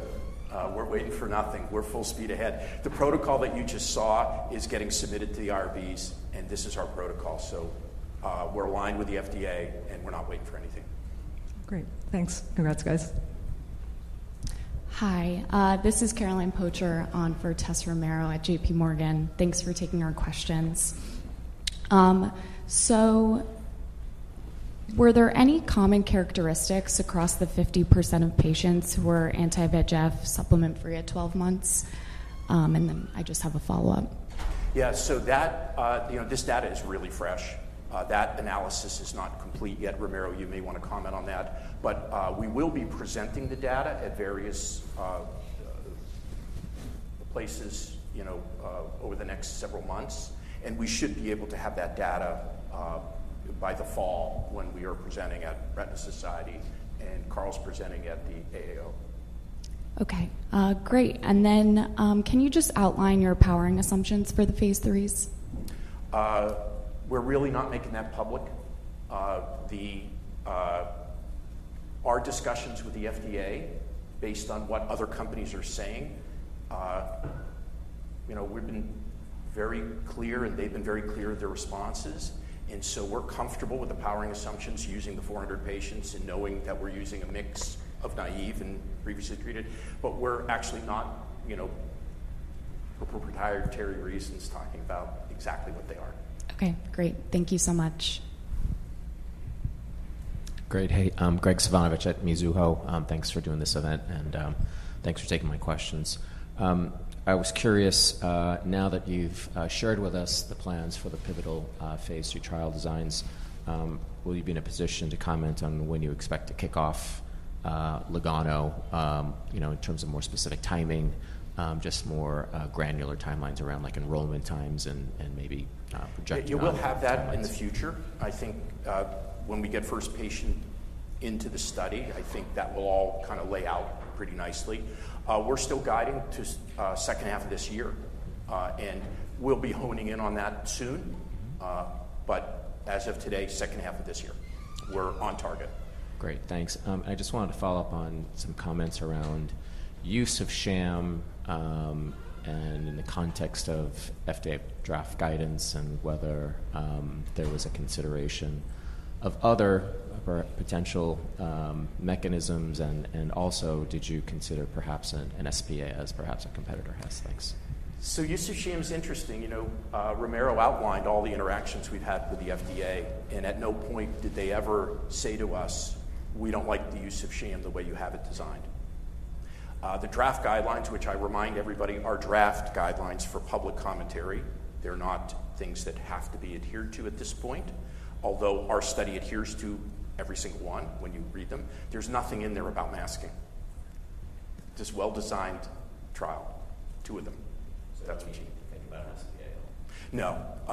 We're waiting for nothing. We're full speed ahead. The protocol that you just saw is getting submitted to the IRBs, and this is our protocol. So, we're aligned with the FDA, and we're not waiting for anything. Great. Thanks. Congrats, guys. Hi, this is Caroline Palomeque on for Tess Romero at JPMorgan. Thanks for taking our questions. So were there any common characteristics across the 50% of patients who were anti-VEGF supplement-free at 12 months? And then I just have a follow-up. Yeah. So that, you know, this data is really fresh. That analysis is not complete yet. Ramira, you may want to comment on that. But, we will be presenting the data at various, places, you know, over the next several months, and we should be able to have that data, by the fall, when we are presenting at Retina Society, and Carl's presenting at the AAO. Okay, great. And then, can you just outline your powering assumptions for the phase IIIs? We're really not making that public. Our discussions with the FDA, based on what other companies are saying, you know, we've been very clear, and they've been very clear with their responses, and so we're comfortable with the powering assumptions, using the 400 patients and knowing that we're using a mix of naive and previously treated. But we're actually not, you know, for proprietary reasons, talking about exactly what they are. Okay, great. Thank you so much. Great. Hey, I'm Graig Suvannavejh at Mizuho. Thanks for doing this event, and, thanks for taking my questions. I was curious, now that you've shared with us the plans for the pivotal, phase II trial designs, will you be in a position to comment on when you expect to kick off, LUGANO, you know, in terms of more specific timing, just more, granular timelines around, like, enrollment times and, and maybe, projecting on- Yeah, we'll have that in the future. I think, when we get first patient into the study, I think that will all kind of lay out pretty nicely. We're still guiding to, second half of this year, and we'll be honing in on that soon. But as of today, second half of this year, we're on target. Great, thanks. I just wanted to follow up on some comments around use of sham, and in the context of FDA draft guidance and whether there was a consideration of other potential mechanisms and also, did you consider perhaps an SPA, as perhaps a competitor has? Thanks. Use of sham is interesting. You know, Ramiro outlined all the interactions we've had with the FDA, and at no point did they ever say to us, "We don't like the use of sham the way you have it designed." The draft guidelines, which I remind everybody, are draft guidelines for public commentary. They're not things that have to be adhered to at this point, although our study adheres to every single one when you read them. There's nothing in there about masking. This well-designed trial, two of them, that's what you mean. So you're not thinking about an SPA at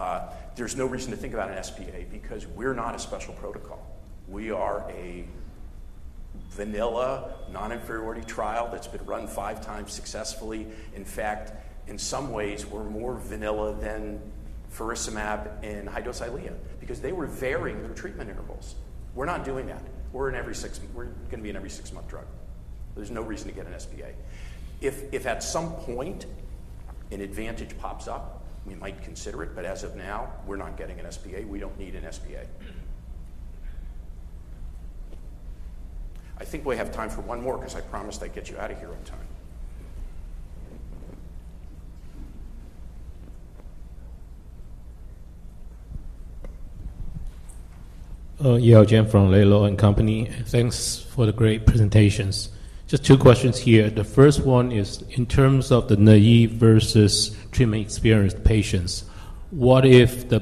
all? No. There's no reason to think about an SPA because we're not a special protocol. We are a vanilla, non-inferiority trial that's been run five times successfully. In fact, in some ways, we're more vanilla than faricimab in high-dose Eylea because they were varying their treatment intervals. We're not doing that. We're in every six – we're gonna be an every six-month drug. There's no reason to get an SPA. If at some point an advantage pops up, we might consider it, but as of now, we're not getting an SPA. We don't need an SPA. I think we have time for one more because I promised I'd get you out of here on time. Yale Jen Laidlaw & Company. Thanks for the great presentations. Just two questions here. The first one is, in terms of the naive versus treatment-experienced patients, what if the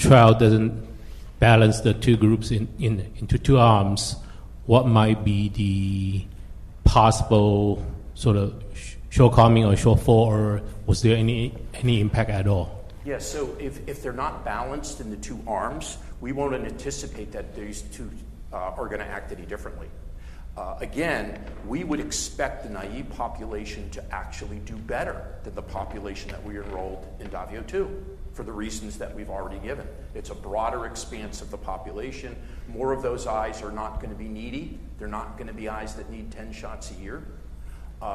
trial doesn't balance the two groups in into two arms? What might be the possible sort of shortcoming or shortfall, or was there any impact at all? Yes. So if they're not balanced in the two arms, we wouldn't anticipate that these two are gonna act any differently. Again, we would expect the naive population to actually do better than the population that we enrolled in DAVIO 2, for the reasons that we've already given. It's a broader expanse of the population. More of those eyes are not gonna be needy. They're not gonna be eyes that need 10 shots a year.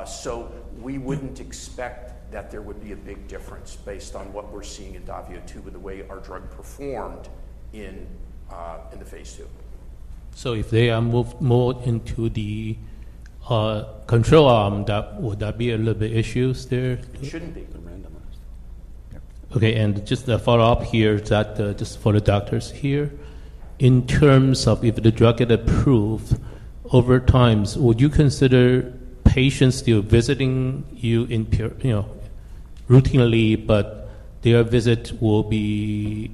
So we wouldn't expect that there would be a big difference based on what we're seeing in DAVIO 2 with the way our drug performed in the phase II. If they are moved more into the control arm, that would that be a little bit issues there? It shouldn't be. They're randomized. Okay, and just a follow-up here that, just for the doctors here. In terms of if the drug get approved over time, would you consider patients still visiting you every year, you know, routinely, but their visit will be,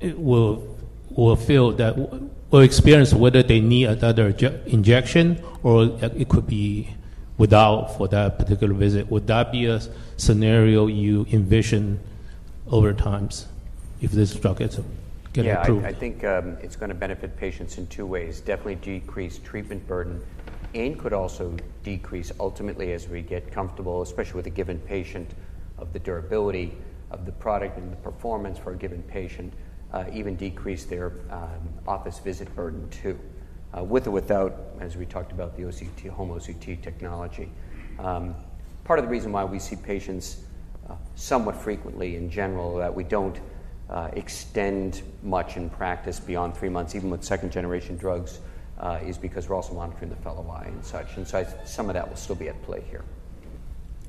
it will feel that or experience whether they need another injection or it could be without for that particular visit? Would that be a scenario you envision over time if this drug gets approved? Yeah, I think it's gonna benefit patients in two ways. Definitely decrease treatment burden, and could also decrease ultimately as we get comfortable, especially with a given patient, of the durability of the product and the performance for a given patient, even decrease their office visit burden, too. With or without, as we talked about, the OCT, home OCT technology. Part of the reason why we see patients somewhat frequently in general, that we don't extend much in practice beyond three months, even with second-generation drugs, is because we're also monitoring the fellow eye and such, and so some of that will still be at play here.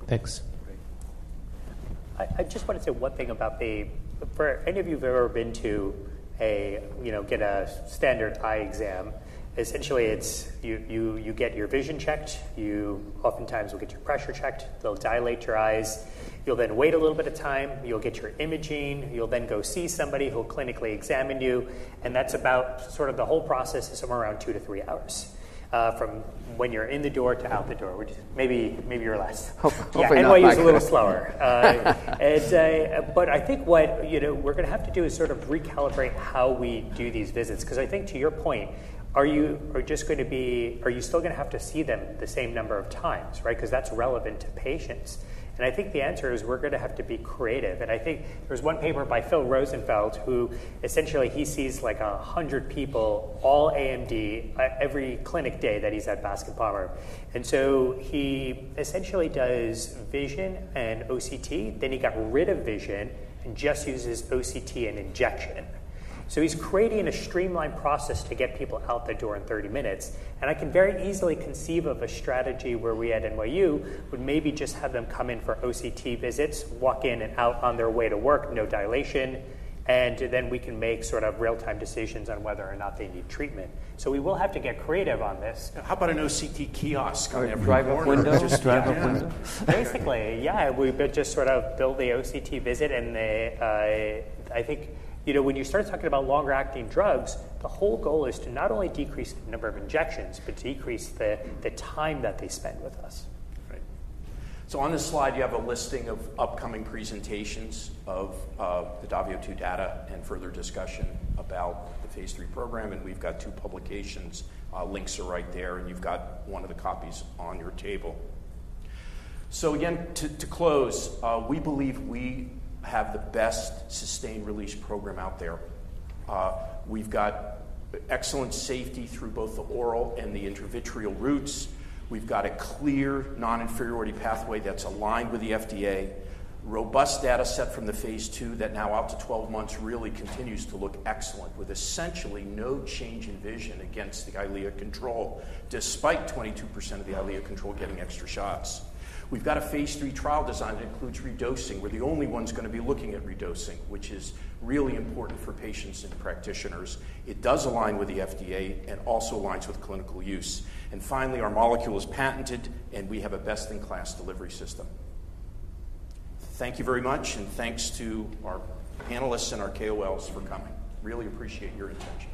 Thanks. Great. I just want to say one thing about the... For any of you who've ever been to a, you know, get a standard eye exam, essentially, it's you get your vision checked, you oftentimes will get your pressure checked, they'll dilate your eyes. You'll then wait a little bit of time, you'll get your imaging, you'll then go see somebody who'll clinically examine you, and that's about sort of the whole process is somewhere around 2-3 hours from when you're in the door to out the door, which maybe you're less. Hopefully not like that. Yeah, NYU is a little slower. But I think what, you know, we're gonna have to do is sort of recalibrate how we do these visits, 'cause I think to your point, are you just going to be-- are you still gonna have to see them the same number of times, right? Because that's relevant to patients. And I think the answer is we're gonna have to be creative. And I think there's one paper by Phil Rosenfeld, who essentially he sees like 100 people, all AMD, at every clinic day that he's at Bascom Palmer. And so he essentially does vision and OCT, then he got rid of vision and just uses OCT and injection. So he's creating a streamlined process to get people out the door in 30 minutes, and I can very easily conceive of a strategy where we at NYU would maybe just have them come in for OCT visits, walk in and out on their way to work, no dilation, and then we can make sort of real-time decisions on whether or not they need treatment. So we will have to get creative on this. How about an OCT kiosk on every corner? Drive-up window. Just drive-up window. Basically, yeah, we just sort of build the OCT visit, and they, I think, you know, when you start talking about longer-acting drugs, the whole goal is to not only decrease the number of injections, but decrease the, the time that they spend with us. Right. So on this slide, you have a listing of upcoming presentations of the DAVIO 2 data and further discussion about the phase III program, and we've got two publications. Links are right there, and you've got one of the copies on your table. So again, to close, we believe we have the best sustained release program out there. We've got excellent safety through both the oral and the intravitreal routes. We've got a clear non-inferiority pathway that's aligned with the FDA. Robust data set from the phase II that now out to 12 months really continues to look excellent, with essentially no change in vision against the Eylea control, despite 22% of the Eylea control getting extra shots. We've got a phase III trial design that includes redosing. We're the only ones gonna be looking at redosing, which is really important for patients and practitioners. It does align with the FDA and also aligns with clinical use. And finally, our molecule is patented, and we have a best-in-class delivery system. Thank you very much, and thanks to our panelists and our KOLs for coming. Really appreciate your attention.